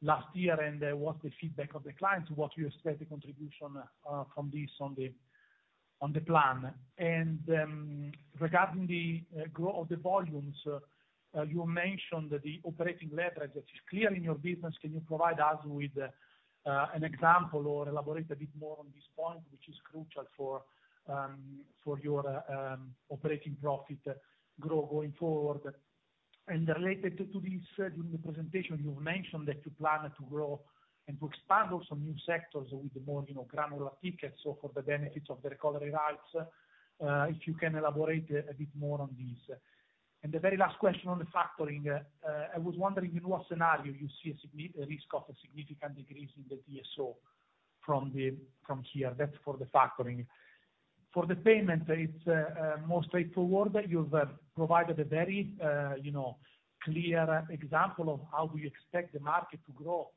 last year, and what's the feedback of the clients? What you expect the contribution from this on the plan? Regarding the grow- of the volumes, you mentioned that the operating leverage, that is clear in your business. Can you provide us with an example or elaborate a bit more on this point, which is crucial for your operating profit grow going forward? Related to this, during the presentation, you mentioned that you plan to grow and to expand also new sectors with the more, you know, granular tickets, so for the benefits of the Recovery Cost Rights, if you can elaborate a bit more on this? The very last question on the Factoring. I was wondering in what scenario you see a risk of a significant decrease in the DSO from here, that's for the Factoring. For the Payment, it's more straightforward, you've provided a very, you know, clear example of how we expect the market to grow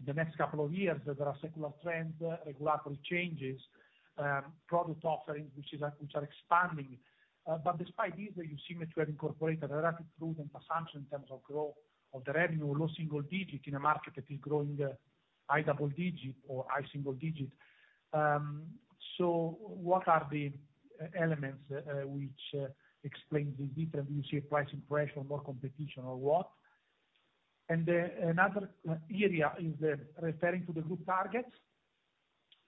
in the next couple of years, there are secular trends, regulatory changes, product offerings, which are expanding. Despite this, you seem to have incorporated a rather prudent assumption in terms of growth of the revenue, low single digit in a market that is growing, high double digit or high single digit. What are the elements which explain the difference, you see a price inflation, more competition or what? Another area is referring to the group targets.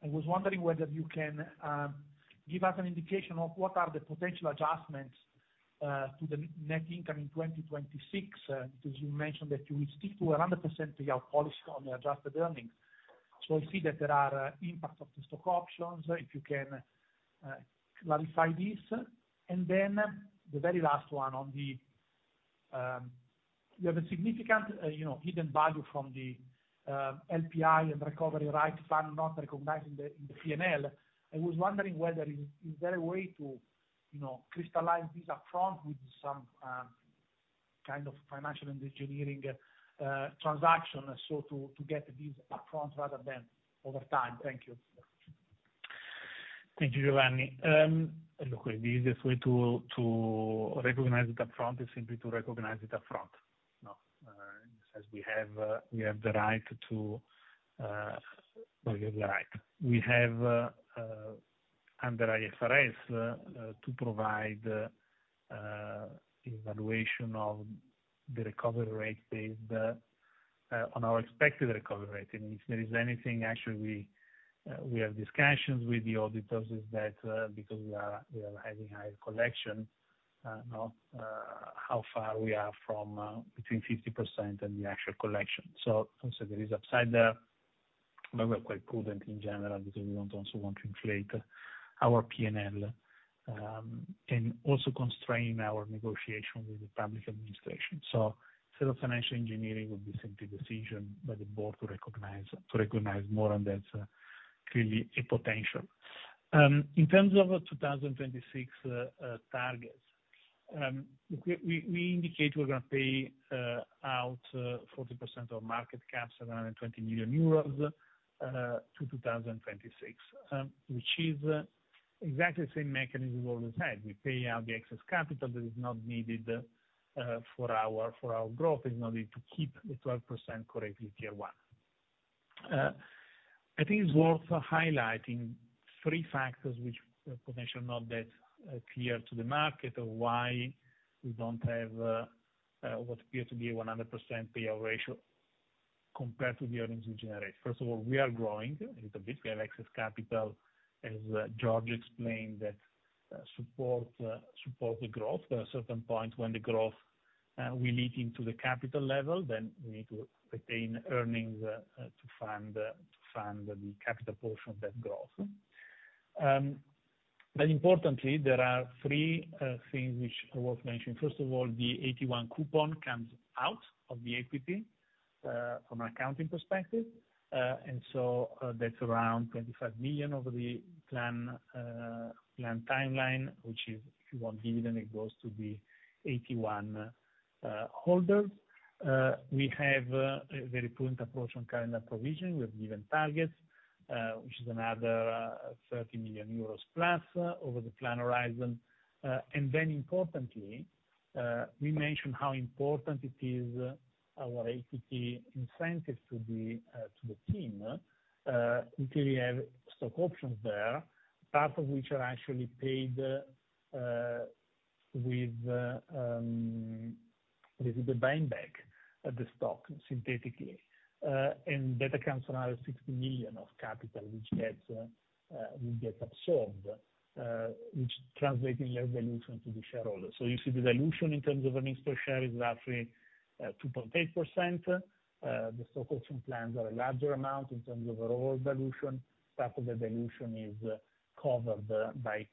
I was wondering whether you can give us an indication of what are the potential adjustments to the net income in 2026, because you mentioned that you will stick to 100% payout policy on the adjusted earnings. I see that there are impacts of the stock options, if you can clarify this? The very last one on the, you have a significant, you know, hidden value from the LPI and Recovery Rights, but not recognized in the P&L. I was wondering whether is there a way to, you know, crystallize this upfront with some kind of financial engineering transaction, so to get this upfront rather than over time? Thank you. Thank you, Giovanni. Look, the easiest way to recognize it upfront is simply to recognize it upfront. No, as we have the right to, well, you're right. We have under IFRS to provide evaluation of the recovery rate based on our expected recovery rate. If there is anything, actually, we have discussions with the auditors, is that because we are having higher collection, no, how far we are from between 50% and the actual collection. Also there is upside there, but we're quite prudent in general, because we don't also want to inflate our P&L and also constrain our negotiation with the public administration. Set of financial engineering would be simply decision by the board to recognize more, and that's clearly a potential. In terms of our 2026 targets, we indicate we're gonna pay out 40% of market caps, 920 million euros to 2026, which is exactly the same mechanism we've always had. We pay out the excess capital that is not needed for our growth, there's no need to keep the 12% correctly Tier 1. I think it's worth highlighting three factors which are potentially not that clear to the market of why we don't have what appear to be 100% payout ratio compared to the earnings we generate. First of all, we are growing a little bit. We have excess capital, as George explained, that support the growth. At a certain point when the growth will leak into the capital level, then we need to retain earnings to fund, to fund the capital portion of that growth. Importantly, there are three things which are worth mentioning. First of all, the AT1 coupon comes out of the equity, from an accounting perspective. So, that's around 25 million over the plan timeline, which is, if you want dividend, it goes to the AT1 holders. We have a very prudent approach on current provision. We have given targets, which is another 30 million euros plus over the plan horizon. Importantly, we mentioned how important it is, our equity incentives to the team, until we have stock options there, part of which are actually paid with the buyback of the stock, synthetically. That accounts for another 60 million of capital, which will get absorbed, which translates in dilution to the shareholder. You see the dilution in terms of earnings per share is roughly 2.8%. The stock option plans are a larger amount in terms of overall dilution. Part of the dilution is covered by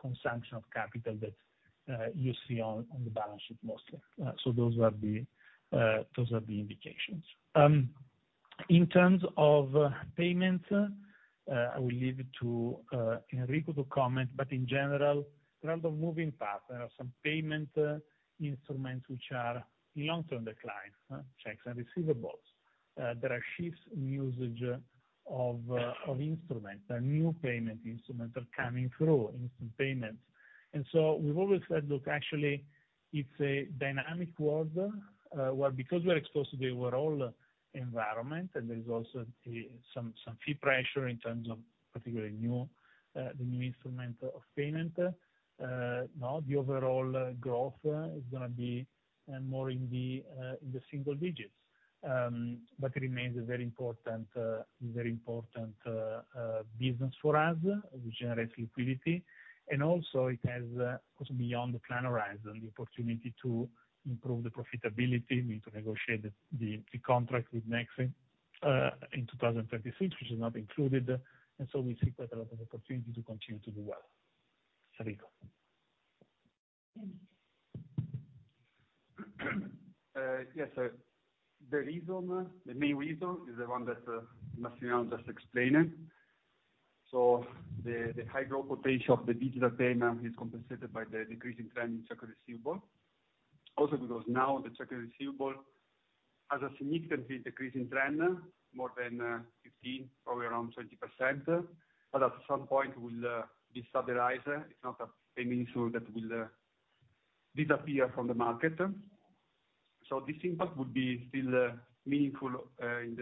consumption of capital that you see on the balance sheet mostly. Those are the indications. In terms of payment, I will leave it to Enrico to comment, but in general, rather than moving fast, there are some payment instruments which are long-term decline, checks and receivables. There are shifts in usage of instruments. The new payment instruments are coming through, instant payments. We've always said, look, actually it's a dynamic world, where because we're exposed to the overall environment, and there's also some fee pressure in terms of particularly new, the new instrument of payment. Now the overall growth is gonna be more in the single digits. But it remains a very important, very important business for us, which generates liquidity, and also it has, goes beyond the plan horizon, the opportunity to improve the profitability. We need to negotiate the contract with Nexi in 2026, which is not included, and so we see quite a lot of opportunity to continue to do well. Enrico? Yes, sir. The reason, the main reason is the one that Massimiliano just explained. The high growth potential of the digital payment is compensated by the decreasing trend in trade receivable. Also, because now the trade receivable has a significantly decreasing trend, more than 15, probably around 20%, but at some point will be stabilized. It's not a payment tool that will disappear from the market. This impact will be still meaningful in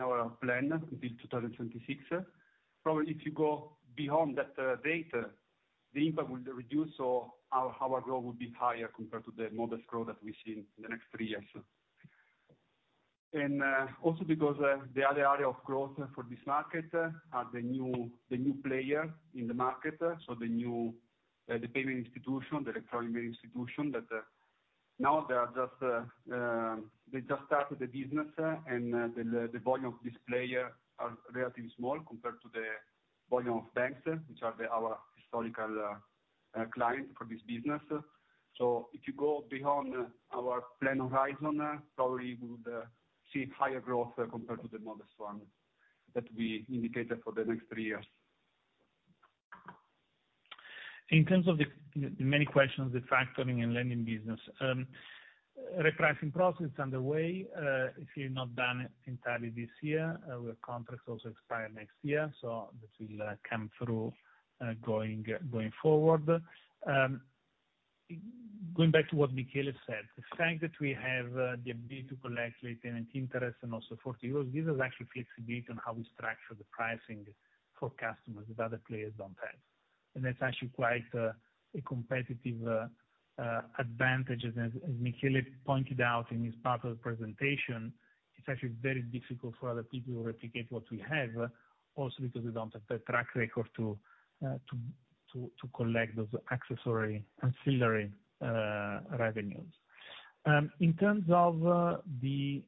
our plan until 2026. Probably if you go beyond that date, the impact will reduce or our growth will be higher compared to the modest growth that we see in the next three years. Also because the other area of growth for this market are the new, the new player in the market, so the new payment institution, the electronic payment institution, that now they are just they just started the business and the volume of this player are relatively small compared to the volume of banks, which are our historical client for this business. If you go beyond our plan horizon, probably we would see higher growth compared to the modest one that we indicated for the next three years. In terms of the many questions, the Factoring & Lending business, repricing process is underway. If you're not done entirely this year, our contracts also expire next year, that will come through going forward. Going back to what Michele said, the fact that we have the ability to collect late payment interest and also for EUR, this is actually flexibility on how we structure the pricing for customers that other players don't have. That's actually quite a competitive advantage, as Michele pointed out in his part of the presentation. It's actually very difficult for other people to replicate what we have, also because we don't have the track record to collect those accessory, ancillary revenues. In terms of the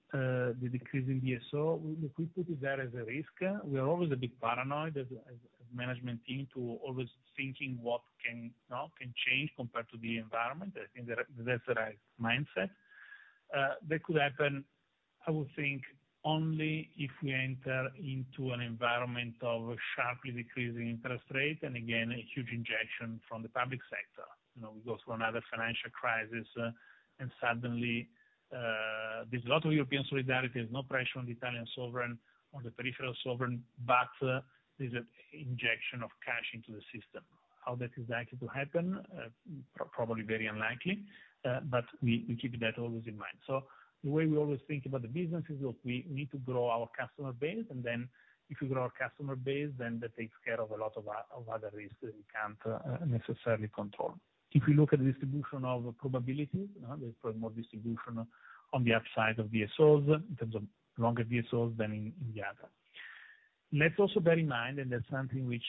decrease in DSO, we put it there as a risk. We are always a bit paranoid as a management team to always thinking what can change compared to the environment. I think that's the right mindset. That could happen, I would think, only if we enter into an environment of sharply decreasing interest rate, and again, a huge injection from the public sector. You know, we go through another financial crisis, and suddenly, there's a lot of European solidarity, there's no pressure on the Italian sovereign, on the peripheral sovereign, but there's an injection of cash into the system. How that is likely to happen, probably very unlikely, but we keep that always in mind. The way we always think about the business is that we need to grow our customer base, and then if you grow our customer base, then that takes care of a lot of other risks that we can't necessarily control. If you look at the distribution of probabilities, there's probably more distribution on the upside of DSOs in terms of longer DSOs than in the other. Let's also bear in mind, and that's something which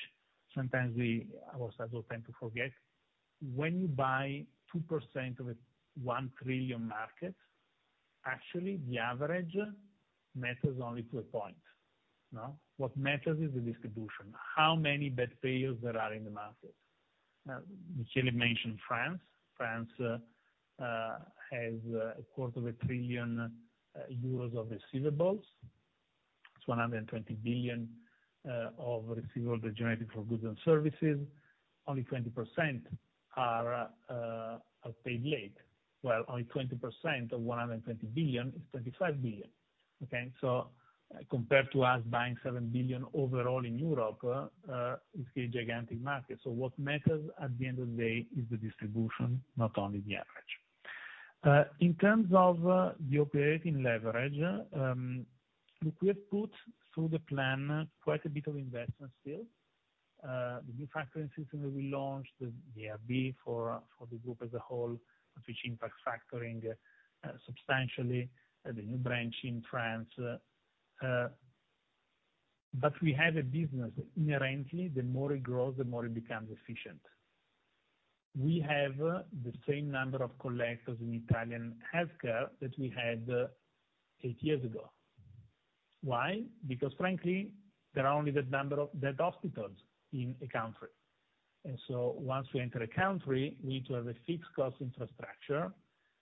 sometimes we, ourselves, tend to forget, when you buy 2% of a 1 trillion market, actually the average matters only to a point, no. What matters is the distribution, how many bad payers there are in the market. Michele mentioned France. France has a quarter of a trillion EUR of receivables. It's 120 billion of receivables generated from goods and services. Only 20% are paid late, well, only 20% of 120 billion is 25 billion. Okay? Compared to us buying 7 billion overall in Europe, it's a gigantic market. What matters at the end of the day is the distribution, not only the average. In terms of the operating leverage, look, we have put through the plan quite a bit of investment still, the new factoring system that we launched, the RB for the group as a whole, which impacts factoring substantially, the new branch in France. We have a business, inherently, the more it grows, the more it becomes efficient. We have the same number of collectors in Italian healthcare that we had eight years ago. Why? Because frankly, there are only that number of hospitals in a country. Once we enter a country, we need to have a fixed cost infrastructure,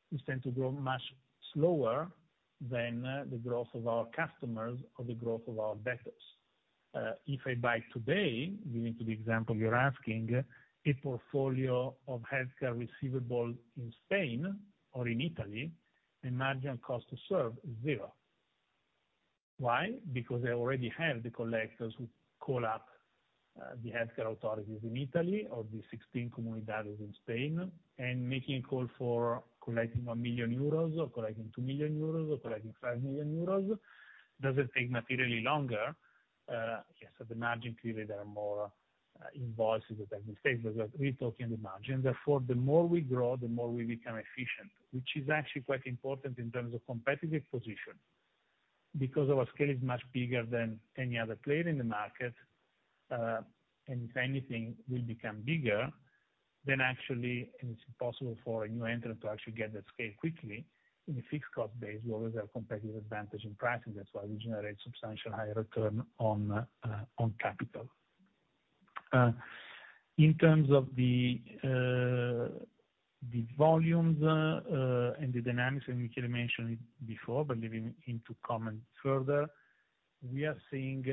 which tend to grow much slower than the growth of our customers or the growth of our debtors. If I buy today, going to the example you're asking, a portfolio of healthcare receivable in Spain or in Italy, the margin cost to serve is zero. Why? Because I already have the collectors who call up the healthcare authorities in Italy or the 16 communities in Spain, and making a call for collecting 1 million euros or collecting 2 million euros or collecting 5 million euros, doesn't take materially longer. Yes, the margin clearly there are more invoices that have been saved. We're talking the margin, therefore, the more we grow, the more we become efficient, which is actually quite important in terms of competitive position, because our scale is much bigger than any other player in the market. If anything will become bigger, then actually it's possible for a new entrant to actually get that scale quickly. In a fixed cost base, we always have competitive advantage in pricing, that's why we generate substantial higher return on capital. In terms of the volumes and the dynamics, Michele mentioned it before, but let me need to comment further. We are seeing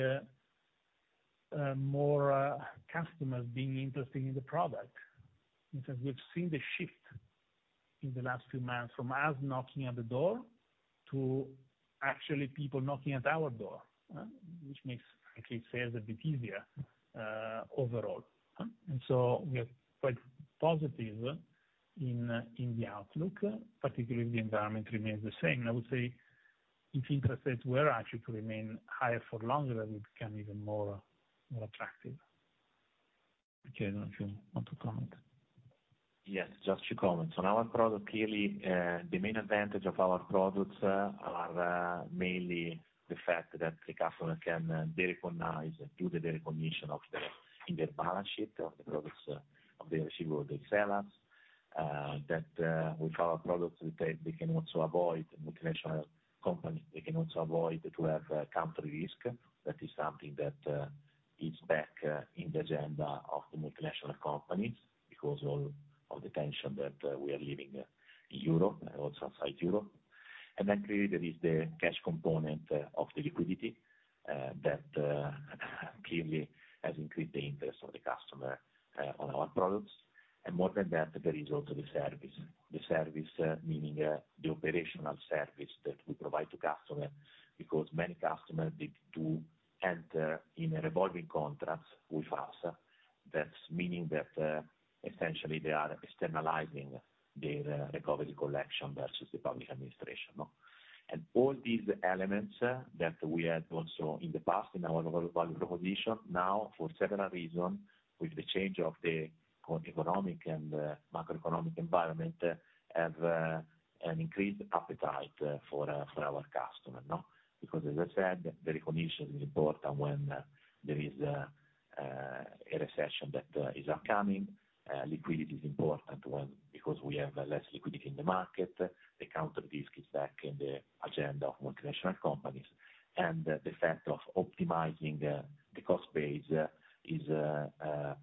more customers being interested in the product. We've seen the shift in the last few months from us knocking at the door to actually people knocking at our door, which makes actually sales a bit easier, overall. We are quite positive in the outlook, particularly if the environment remains the same. I would say, if interest rates were actually to remain higher for longer, that would become even more attractive. Michele, if you want to comment? Yes, just to comment. On our product, clearly, the main advantage of our products are mainly the fact that the customer can recognize and do the recognition of the, in their balance sheet, of the products, of the receivable they sell us. That, with our products, we take, they can also avoid multinational companies, they can also avoid to have country risk. That is something that is back in the agenda of the multinational companies, because all of the tension that we are living in Europe and also outside Europe. Clearly there is the cash component of the liquidity that clearly has increased the interest of the customer on our products. More than that, there is also the service. The service, meaning the operational service that we provide to customer, because many customer need to enter in a revolving contract with us. That's meaning that essentially they are externalizing their recovery collection versus the public administration, no? All these elements that we had also in the past, in our value proposition, now, for several reasons, with the change of the economic and macroeconomic environment, have an increased appetite for our customer, no? Because as I said, the recognition is important when there is a recession that is upcoming. Liquidity is important when, because we have less liquidity in the market, the counter risk is back in the agenda of multinational companies, and the fact of optimizing the cost base is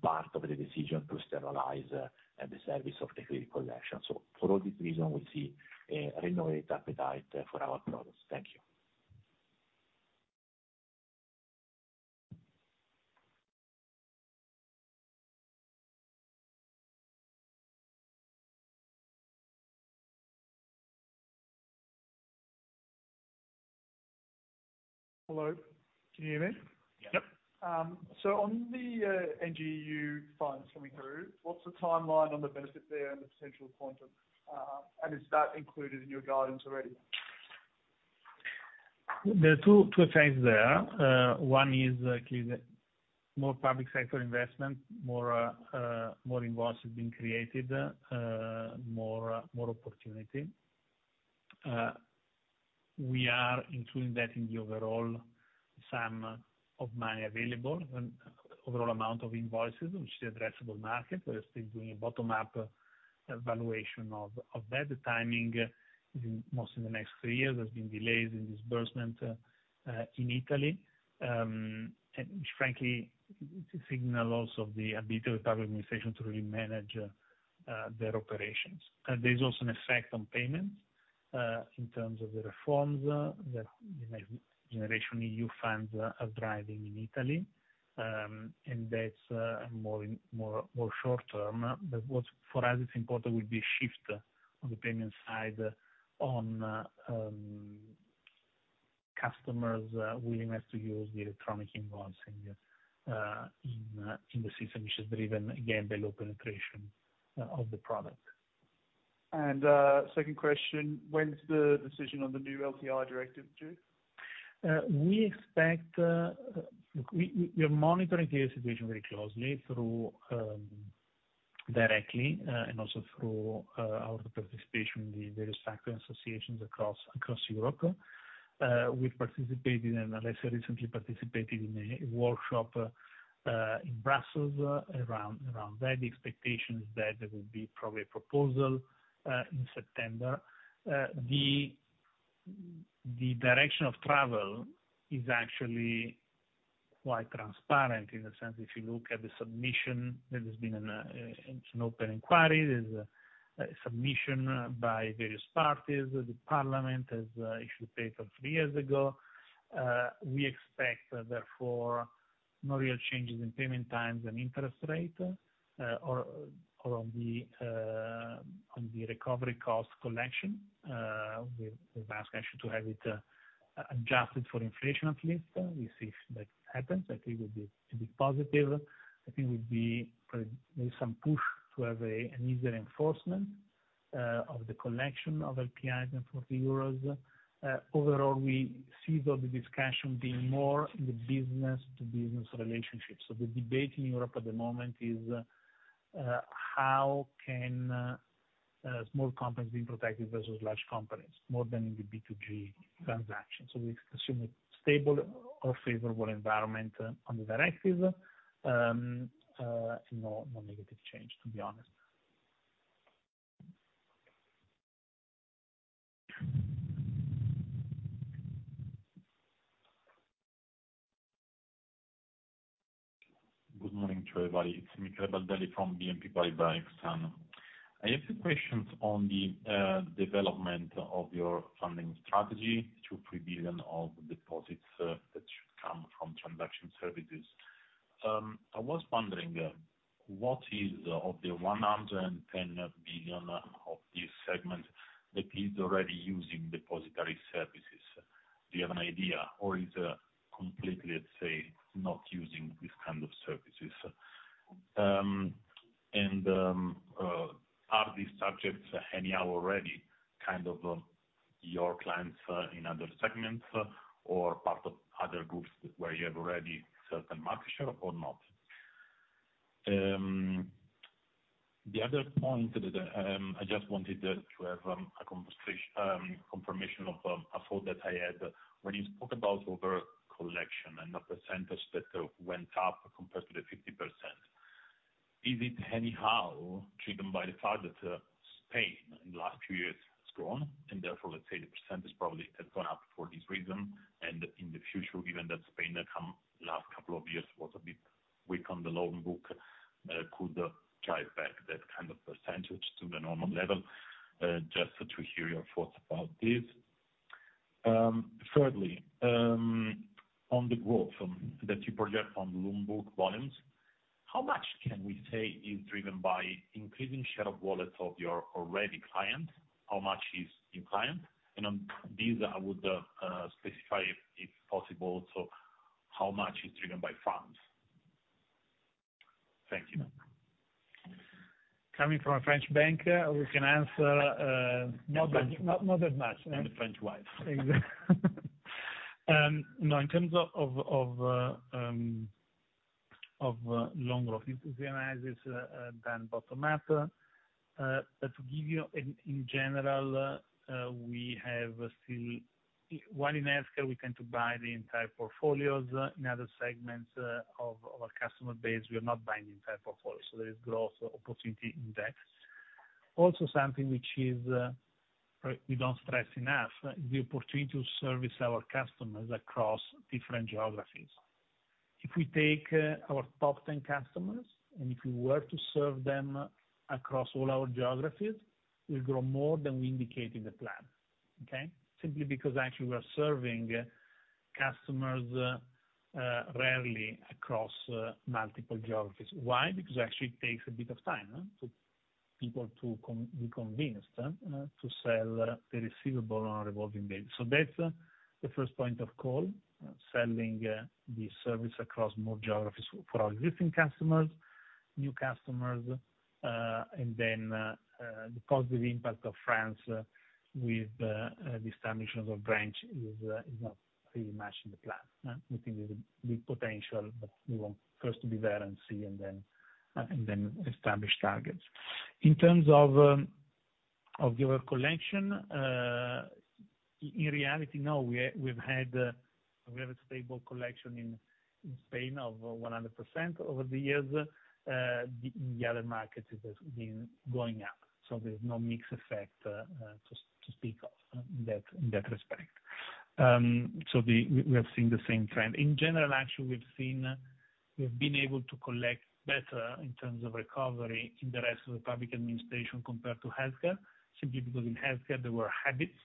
part of the decision to sterilize the service of the credit collection. For all these reasons, we see a renewed appetite for our products. Thank you. Hello, can you hear me? Yep. On the NextGenerationEU funds coming through, what's the timeline on the benefit there and the potential point of? Is that included in your guidance already? There are two things there. One is clearly the more public sector investment, more invoices being created, more opportunity. We are including that in the overall sum of money available, and overall amount of invoices, which is the addressable market. We're still doing a bottom-up evaluation of that. The timing is in, most in the next three years, there's been delays in disbursement in Italy. Frankly, to signal also the ability of public administration to really manage their operations. There's also an effect on payments in terms of the reforms that generation EU funds are driving in Italy. That's more short term, but what's for us, it's important will be shift on the payment side, on customers' willingness to use the electronic invoicing in the system, which is driven again, by low penetration of the product. Second question, when is the decision on the new LPI directive due? We expect, we are monitoring the situation very closely through directly and also through our participation in the various factor associations across Europe. We participated in, and Alessio recently participated in a workshop in Brussels, around that. The expectation is that there will be probably a proposal in September. The direction of travel is actually quite transparent in the sense, if you look at the submission, there has been an open inquiry. There's a submission by various parties. The parliament has issued paper three years ago. We expect, therefore, no real changes in payment times and interest rate or on the recovery cost collection. We've asked actually to have it adjusted for inflation at least. We'll see if that happens, I think it would be pretty positive. I think there would be probably maybe some push to have an easier enforcement. of the collection of LPIs and for the euros, overall, we see that the discussion being more in the business-to-business relationships. The debate in Europe at the moment is, how can, small companies be protected versus large companies, more than in the B2G transactions. We assume a stable or favorable environment on the directives, no negative change, to be honest. Good morning to everybody. It's Michele Baldelli from BNP Paribas. I have some questions on the development of your funding strategy to 3 billion of deposits that should come from Transaction Services. I was wondering what is of the 110 billion of this segment that is already using depository services? Do you have an idea, or is completely, let's say, not using these kind of services? Are these subjects anyhow already kind of your clients in other segments, or part of other groups where you have already certain market share or not? The other point that I just wanted to have a confirmation of a thought that I had. When you spoke about over collection and the percentage that went up compared to the 50%, is it anyhow driven by the fact that Spain, in the last few years, has grown, and therefore, let's say the percentage probably has gone up for this reason, and in the future, given that Spain, the last couple of years was a bit weak on the loan book, could drive back that kind of percentage to the normal level? Just to hear your thoughts about this. Thirdly, on the growth that you project on loan book volumes, how much can we say is driven by increasing share of wallets of your already client? How much is in client? On these, I would specify, if possible, so how much is driven by funds? Thank you. Coming from a French bank, we can answer, not that much. The French wife. No, in terms of loan growth, it is than bottom up. To give you in general, we have still. While in healthcare, we tend to buy the entire portfolios, in other segments, of our customer base, we are not buying the entire portfolio. There is growth opportunity in that. Something which is, we don't stress enough, is the opportunity to service our customers across different geographies. If we take our top 10 customers, and if we were to serve them across all our geographies, we'll grow more than we indicate in the plan, okay. Simply because actually we are serving customers, rarely across multiple geographies. Why? Because it actually takes a bit of time for people to be convinced to sell the receivable on a revolving basis. That's the first point of call, selling the service across more geographies for our existing customers, new customers, and then the positive impact of France with the establishment of branch is not really matched in the plan. We think there's a big potential, but we want first to be there and see, and then establish targets. In terms of your collection, in reality, no, we've had, we have a stable collection in Spain of 100% over the years. The other markets has been going up, there's no mixed effect to speak of in that, in that respect. We have seen the same trend. In general, actually, we've been able to collect better in terms of recovery in the rest of the public administration compared to healthcare, simply because in healthcare there were habits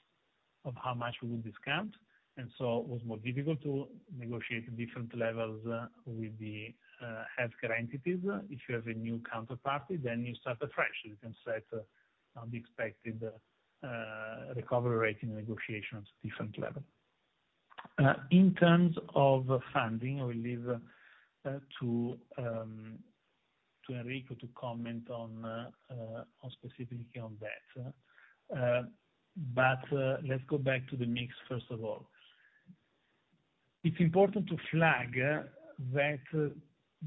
of how much we w ould discount. It was more difficult to negotiate different levels with the healthcare entities. If you have a new counterparty, you start afresh. You can set the expected recovery rate in negotiations different level. In terms of funding, I will leave to Enrico to comment on specifically on that. Let's go back to the mix first of all. It's important to flag that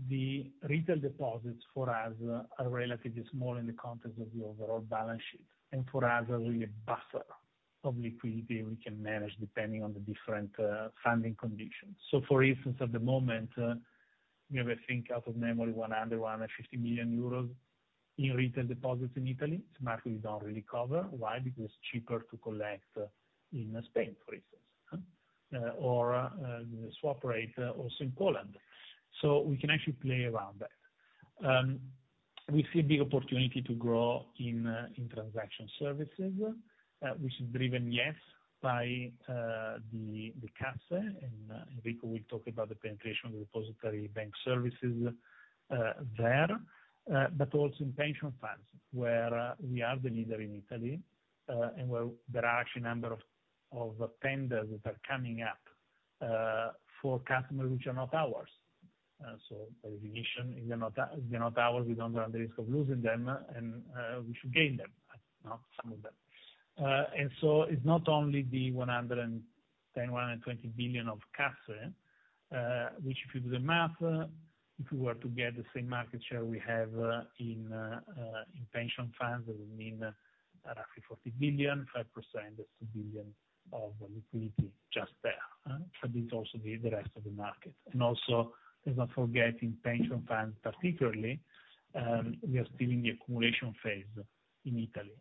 the retail deposits for us are relatively small in the context of the overall balance sheet, and for us, are really a buffer of liquidity we can manage depending on the different funding conditions. For instance, at the moment, we have, I think, out of memory, 150 million euros in retail deposits in Italy. It's a market we don't really cover. Why? Because it's cheaper to collect in Spain, for instance, or the swap rate also in Poland. We can actually play around that. We see a big opportunity to grow in Transaction Services, which is driven, yes, by the Casse, and Enrico will talk about the penetration of the depositary bank services there. Also in pension funds, where we are the leader in Italy, and where there are actually a number of tenders that are coming up for customers which are not ours. So by definition, if they're not ours, we don't run the risk of losing them, and we should gain them, you know, some of them. It's not only the 110 billion-120 billion of Casse, which if you do the math, if we were to get the same market share we have in pension funds, that would mean roughly 40 billion, 5% is 1 billion of liquidity just there, but it's also the rest of the market. Also, let's not forget in pension funds particularly, we are still in the accumulation phase in Italy,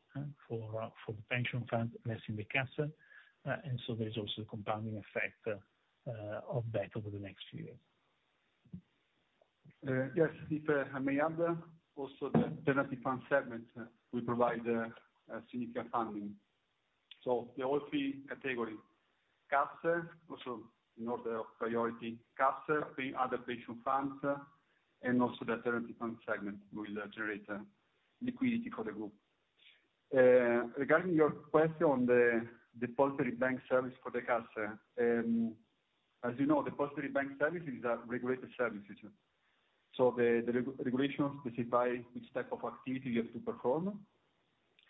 for the pension funds, less in the Casse. There is also a compounding effect of that over the next few years. Yes, if I may add, also the inaudible fund segment, we provide significant funding. There are three categories: Casse, also in order of priority, Casse, the other pension funds, and also the inaudible fund segment will generate liquidity for the group. Regarding your question on the depositary bank service for the Casse, as you know, the depositary bank services are regulated services. The regulation specify which type of activity you have to perform.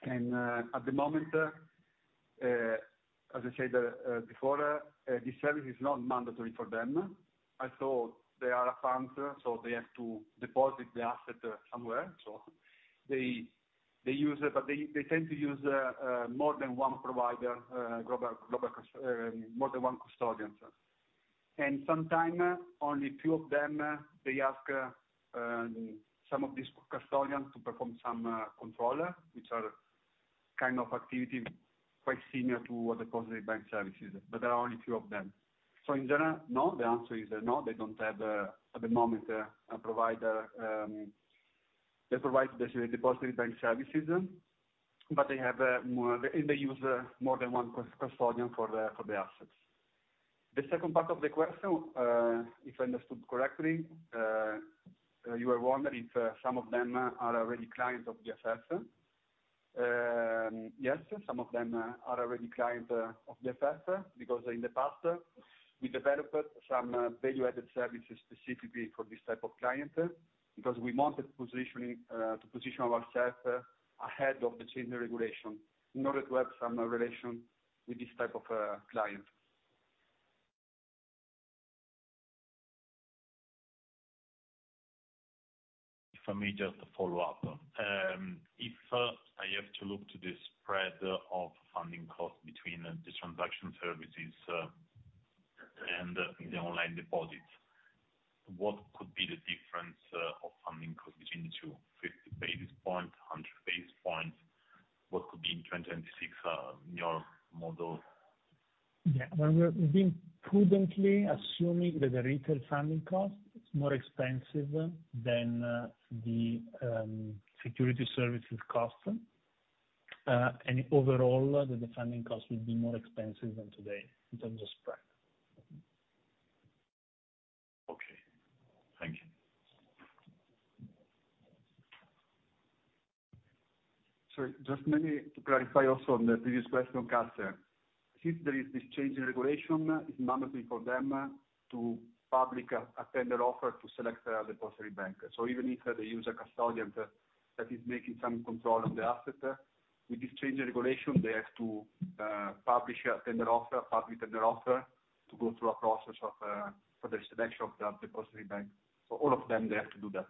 At the moment, as I said before, this service is not mandatory for them. I thought they are a fund, so they have to deposit the asset somewhere. They use it, but they tend to use more than one provider, global, more than one custodian. Sometime, only few of them, they ask some of these custodians to perform some control, which are kind of activity quite similar to what the custody bank services, but there are only few of them. In general, no. The answer is no, they don't have at the moment a provider that provides the depositary bank services, but they have more. They use more than one custodian for the assets. The second part of the question, if I understood correctly, you are wondering if some of them are already clients of the asset? Yes, some of them are already client of the asset, because in the past, we developed some value-added services specifically for this type of client, because we wanted positioning to position ourself ahead of the change in regulation in order to have some relation with this type of client. If I may just follow up. If I have to look to the spread of funding costs between the Transaction Services and the online deposits, what could be the difference of funding costs between the two? 50 basis points, 100 basis points? What could be in 2026 in your model? Well, we're being prudently assuming that the retail funding cost is more expensive than the security services cost. Overall, the funding cost will be more expensive than today in terms of spread. Okay, thank you. Just maybe to clarify also on the previous question on Casse. Since there is this change in regulation, it's mandatory for them to public a tender offer to select the depositary bank. Even if they use a custodian that is making some control of the asset, with this change in regulation, they have to publish a tender offer, public tender offer, to go through a process for the selection of the depositary bank. All of them, they have to do that.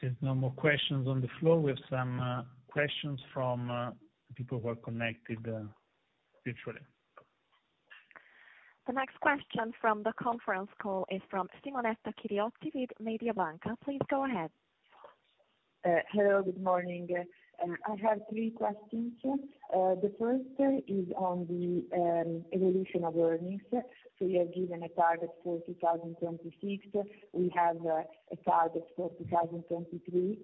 If there's no more questions on the floor, we have some questions from people who are connected virtually. The next question from the conference call is from Simonetta Chiriotti with Mediobanca. Please go ahead. Hello, good morning. I have three questions. The first is on the evolution of earnings. You have given a target for 2026. We have a target for 2023,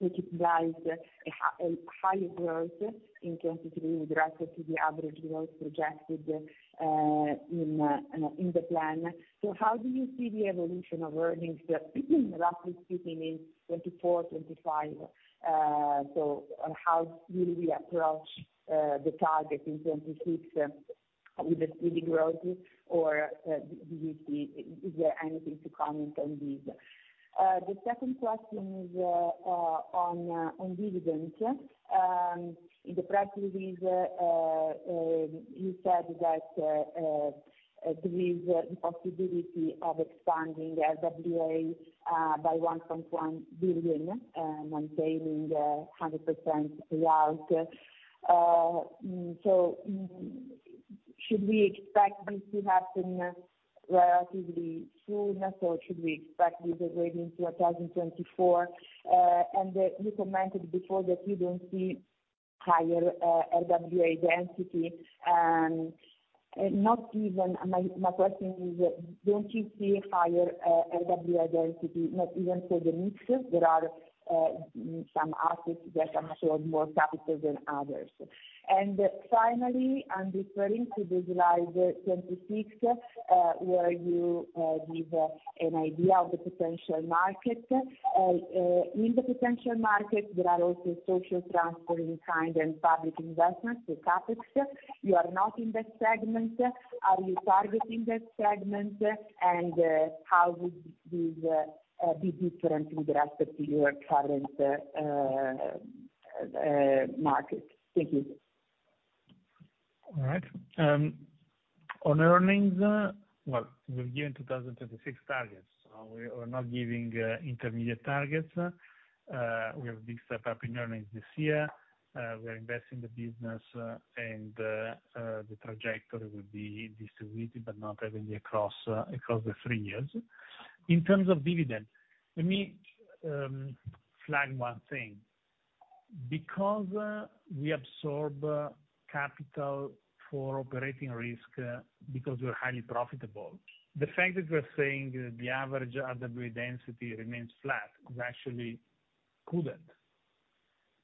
which implies a higher growth in 2023 with respect to the average growth projected in the plan. How do you see the evolution of earnings, roughly speaking, in 2024, 2025? How will we approach the target in 2026 with the steady growth? Is there anything to comment on this? The second question is on dividend. In the press release, you said that there is the possibility of expanding RWA by 1.1 billion, maintaining the 100% payout. Should we expect this to happen relatively soon, or should we expect this to wait into 2024? You commented before that you don't see higher RWA density. My question is: Don't you see higher RWA density, not even for the mix? There are some assets that are more capital than others. Finally, I'm referring to the slide 26, where you give an idea of the potential market. In the potential market, there are also social transfer in kind and public investments, so CapEx. You are not in that segment. Are you targeting that segment? How would this be different with respect to your current business? Thank you. All right. On earnings, well, we've given 2026 targets. We are not giving intermediate targets. We have a big step up in earnings this year. We are investing the business, and the trajectory will be distributed, but not evenly across the three years. In terms of dividend, let me flag one thing. We absorb capital for operating risk, because we are highly profitable, the fact that we're saying that the average RWA density remains flat, actually couldn't,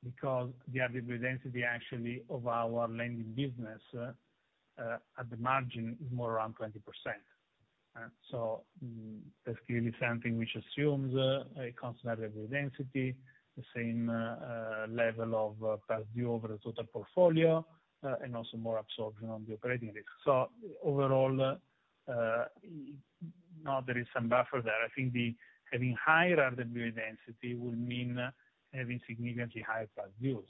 because the RWA density actually of our lending business, at the margin is more around 20%. That's clearly something which assumes a constant RWA density, the same level of past due over the total portfolio, and also more absorption on the operating risk. Overall, no, there is some buffer there. I think the having higher RWA density will mean having significantly higher past dues,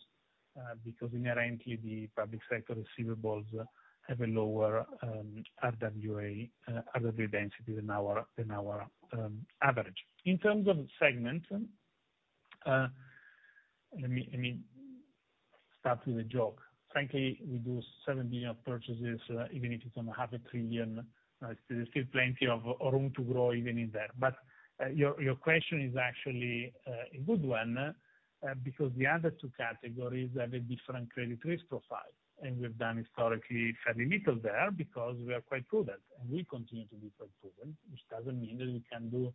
because inherently the public sector receivables have a lower RWA RWA density than our, than our average. In terms of segment, let me start with a joke. Frankly, we do 7 billion purchases, even if it's on half a trillion EUR, there's still plenty of room to grow even in there. Your question is actually a good one, because the other two categories have a different credit risk profile, and we've done historically fairly little there, because we are quite prudent, and we continue to be quite prudent, which doesn't mean that we can do,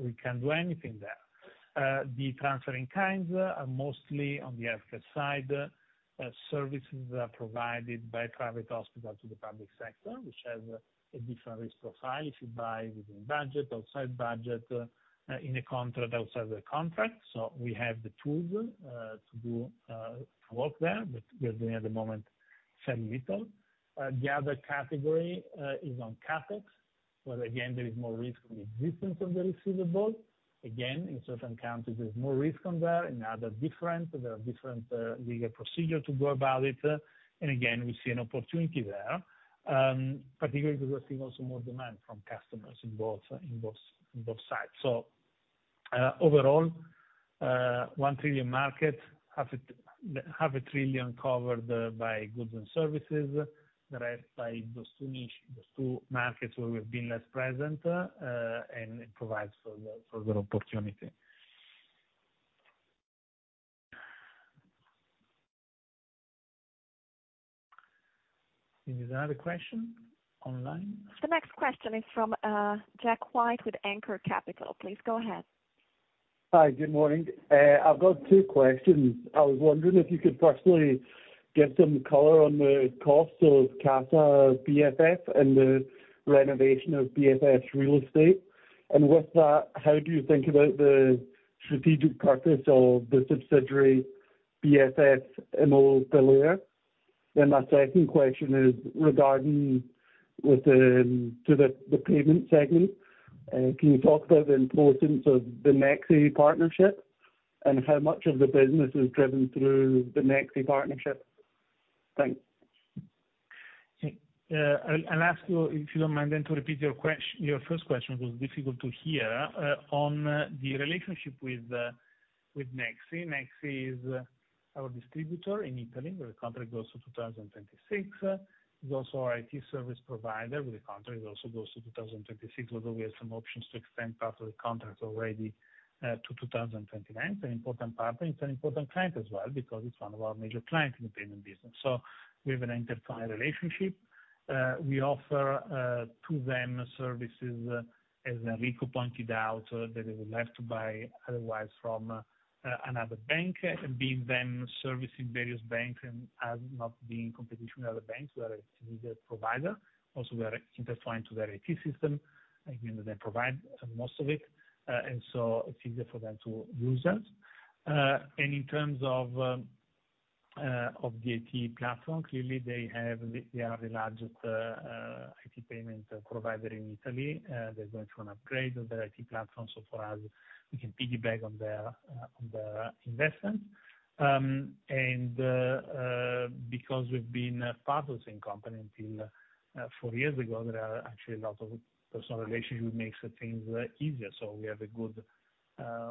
we can't do anything there. The transfer in kinds are mostly on the healthcare side, services are provided by private hospital to the public sector, which has a different risk profile if you buy within budget, outside budget, in a contract, outside the contract. We have the tools to do to work there, but we are doing at the moment fairly little. The other category is on CapEx, where again, there is more risk on the existence of the receivable. Again, in certain countries, there's more risk on there are different legal procedure to go about it. Again, we see an opportunity there, particularly because we're seeing also more demand from customers in both sides. Overall, 1 trillion market, half a trillion EUR covered, by goods and services, the rest by those two niche markets where we've been less present, and it provides for the opportunity. Any other question online? The next question is from Jack White with Anker Capital. Please go ahead. Hi, good morning. I've got two questions. I was wondering if you could firstly give some color on the cost of Casa BFF and the renovation of BFF's real estate. With that, how do you think about the strategic purpose of the subsidiary, BFF Immobiliare? My second question is regarding the payment segment. Can you talk about the importance of the Nexi partnership, and how much of the business is driven through the Nexi partnership? Thanks. I'll ask you, if you don't mind, then, to repeat your first question, it was difficult to hear. On the relationship with Nexi. Nexi is our distributor in Italy, where the contract goes to 2026. He's also our IT service provider, with the contract it also goes to 2026, although we have some options to extend part of the contract already to 2029. It's an important partner, it's an important client as well, because it's one of our major clients in the payment business. We have an intertwined relationship. We offer to them services, as Enrico pointed out, that they would like to buy otherwise from another bank, and being them servicing various banks and as not being competition with other banks, we are a immediate provider. We are intertwined to their IT system, and they provide most of it, and so it's easier for them to use us. In terms of the IT platform, clearly they are the largest IT payment provider in Italy. They're going through an upgrade of their IT platform, so for us, we can piggyback on their on their investment. Because we've been partners in company until four years ago, there are actually a lot of personal relationship, which makes the things easier. We have a good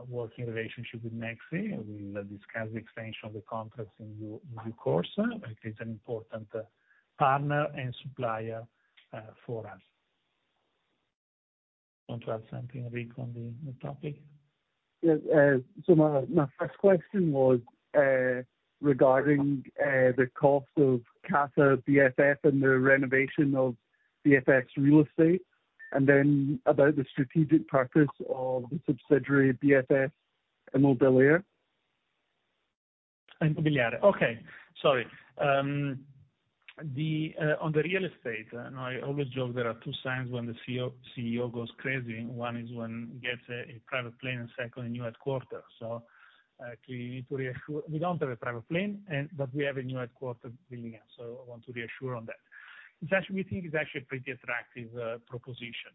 working relationship with Nexi, and we'll discuss the extension of the contracts in due course. It's an important partner and supplier for us. Want to add something, Enrico, on the topic? My first question was regarding the cost of Casa BFF and the renovation of BFF's real estate, and then about the strategic purpose of the subsidiary, BFF Immobiliare. Immobiliare. Okay, sorry. On the real estate, and I always joke, there are two signs when the CEO goes crazy. One is when he gets a private plane, and second, a new headquarters. Clearly to reassure, we don't have a private plane but we have a new headquarters building, so I want to reassure on that. It's actually, we think it's actually a pretty attractive proposition.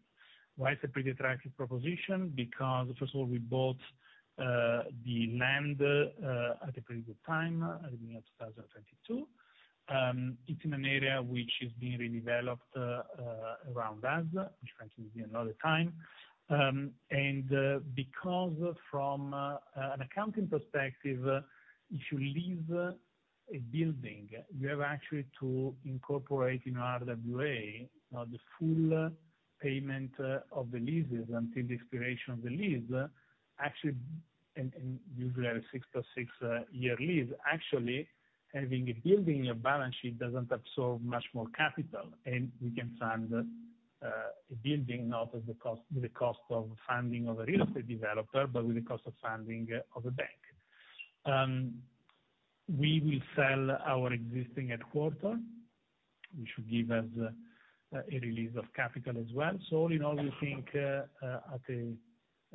Why it's a pretty attractive proposition? First of all, we bought the land at a pretty good time, at the beginning of 2022. It's in an area which is being redeveloped around us, which frankly will be another time. Because from an accounting perspective, if you lease a building, you have actually to incorporate in our RWA the full payment of the leases until the expiration of the lease. Actually, usually have a six plus six year lease, actually, having a building in your balance sheet doesn't absorb much more capital. We can fund a building, not at the cost, the cost of funding of a real estate developer, but with the cost of funding of a bank. We will sell our existing headquarter, which should give us a release of capital as well. All in all, we think at a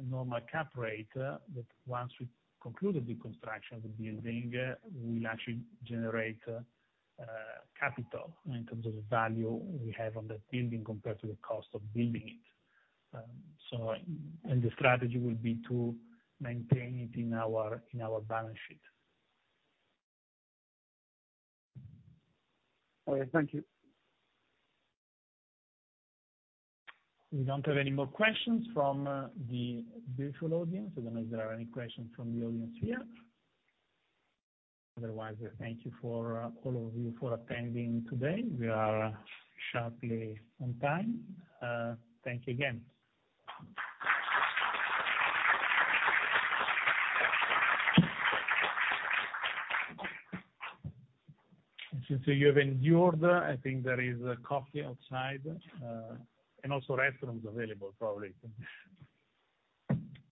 normal cap rate, that once we've concluded the construction of the building, we will actually generate capital in terms of the value we have on that building compared to the cost of building it. The strategy will be to maintain it in our, in our balance sheet. Okay, thank you. We don't have any more questions from the virtual audience. I don't know if there are any questions from the audience here? Otherwise, thank you for, all of you for attending today. We are sharply on time. Thank you again. Since you have endured, I think there is coffee outside, and also restaurants available probably.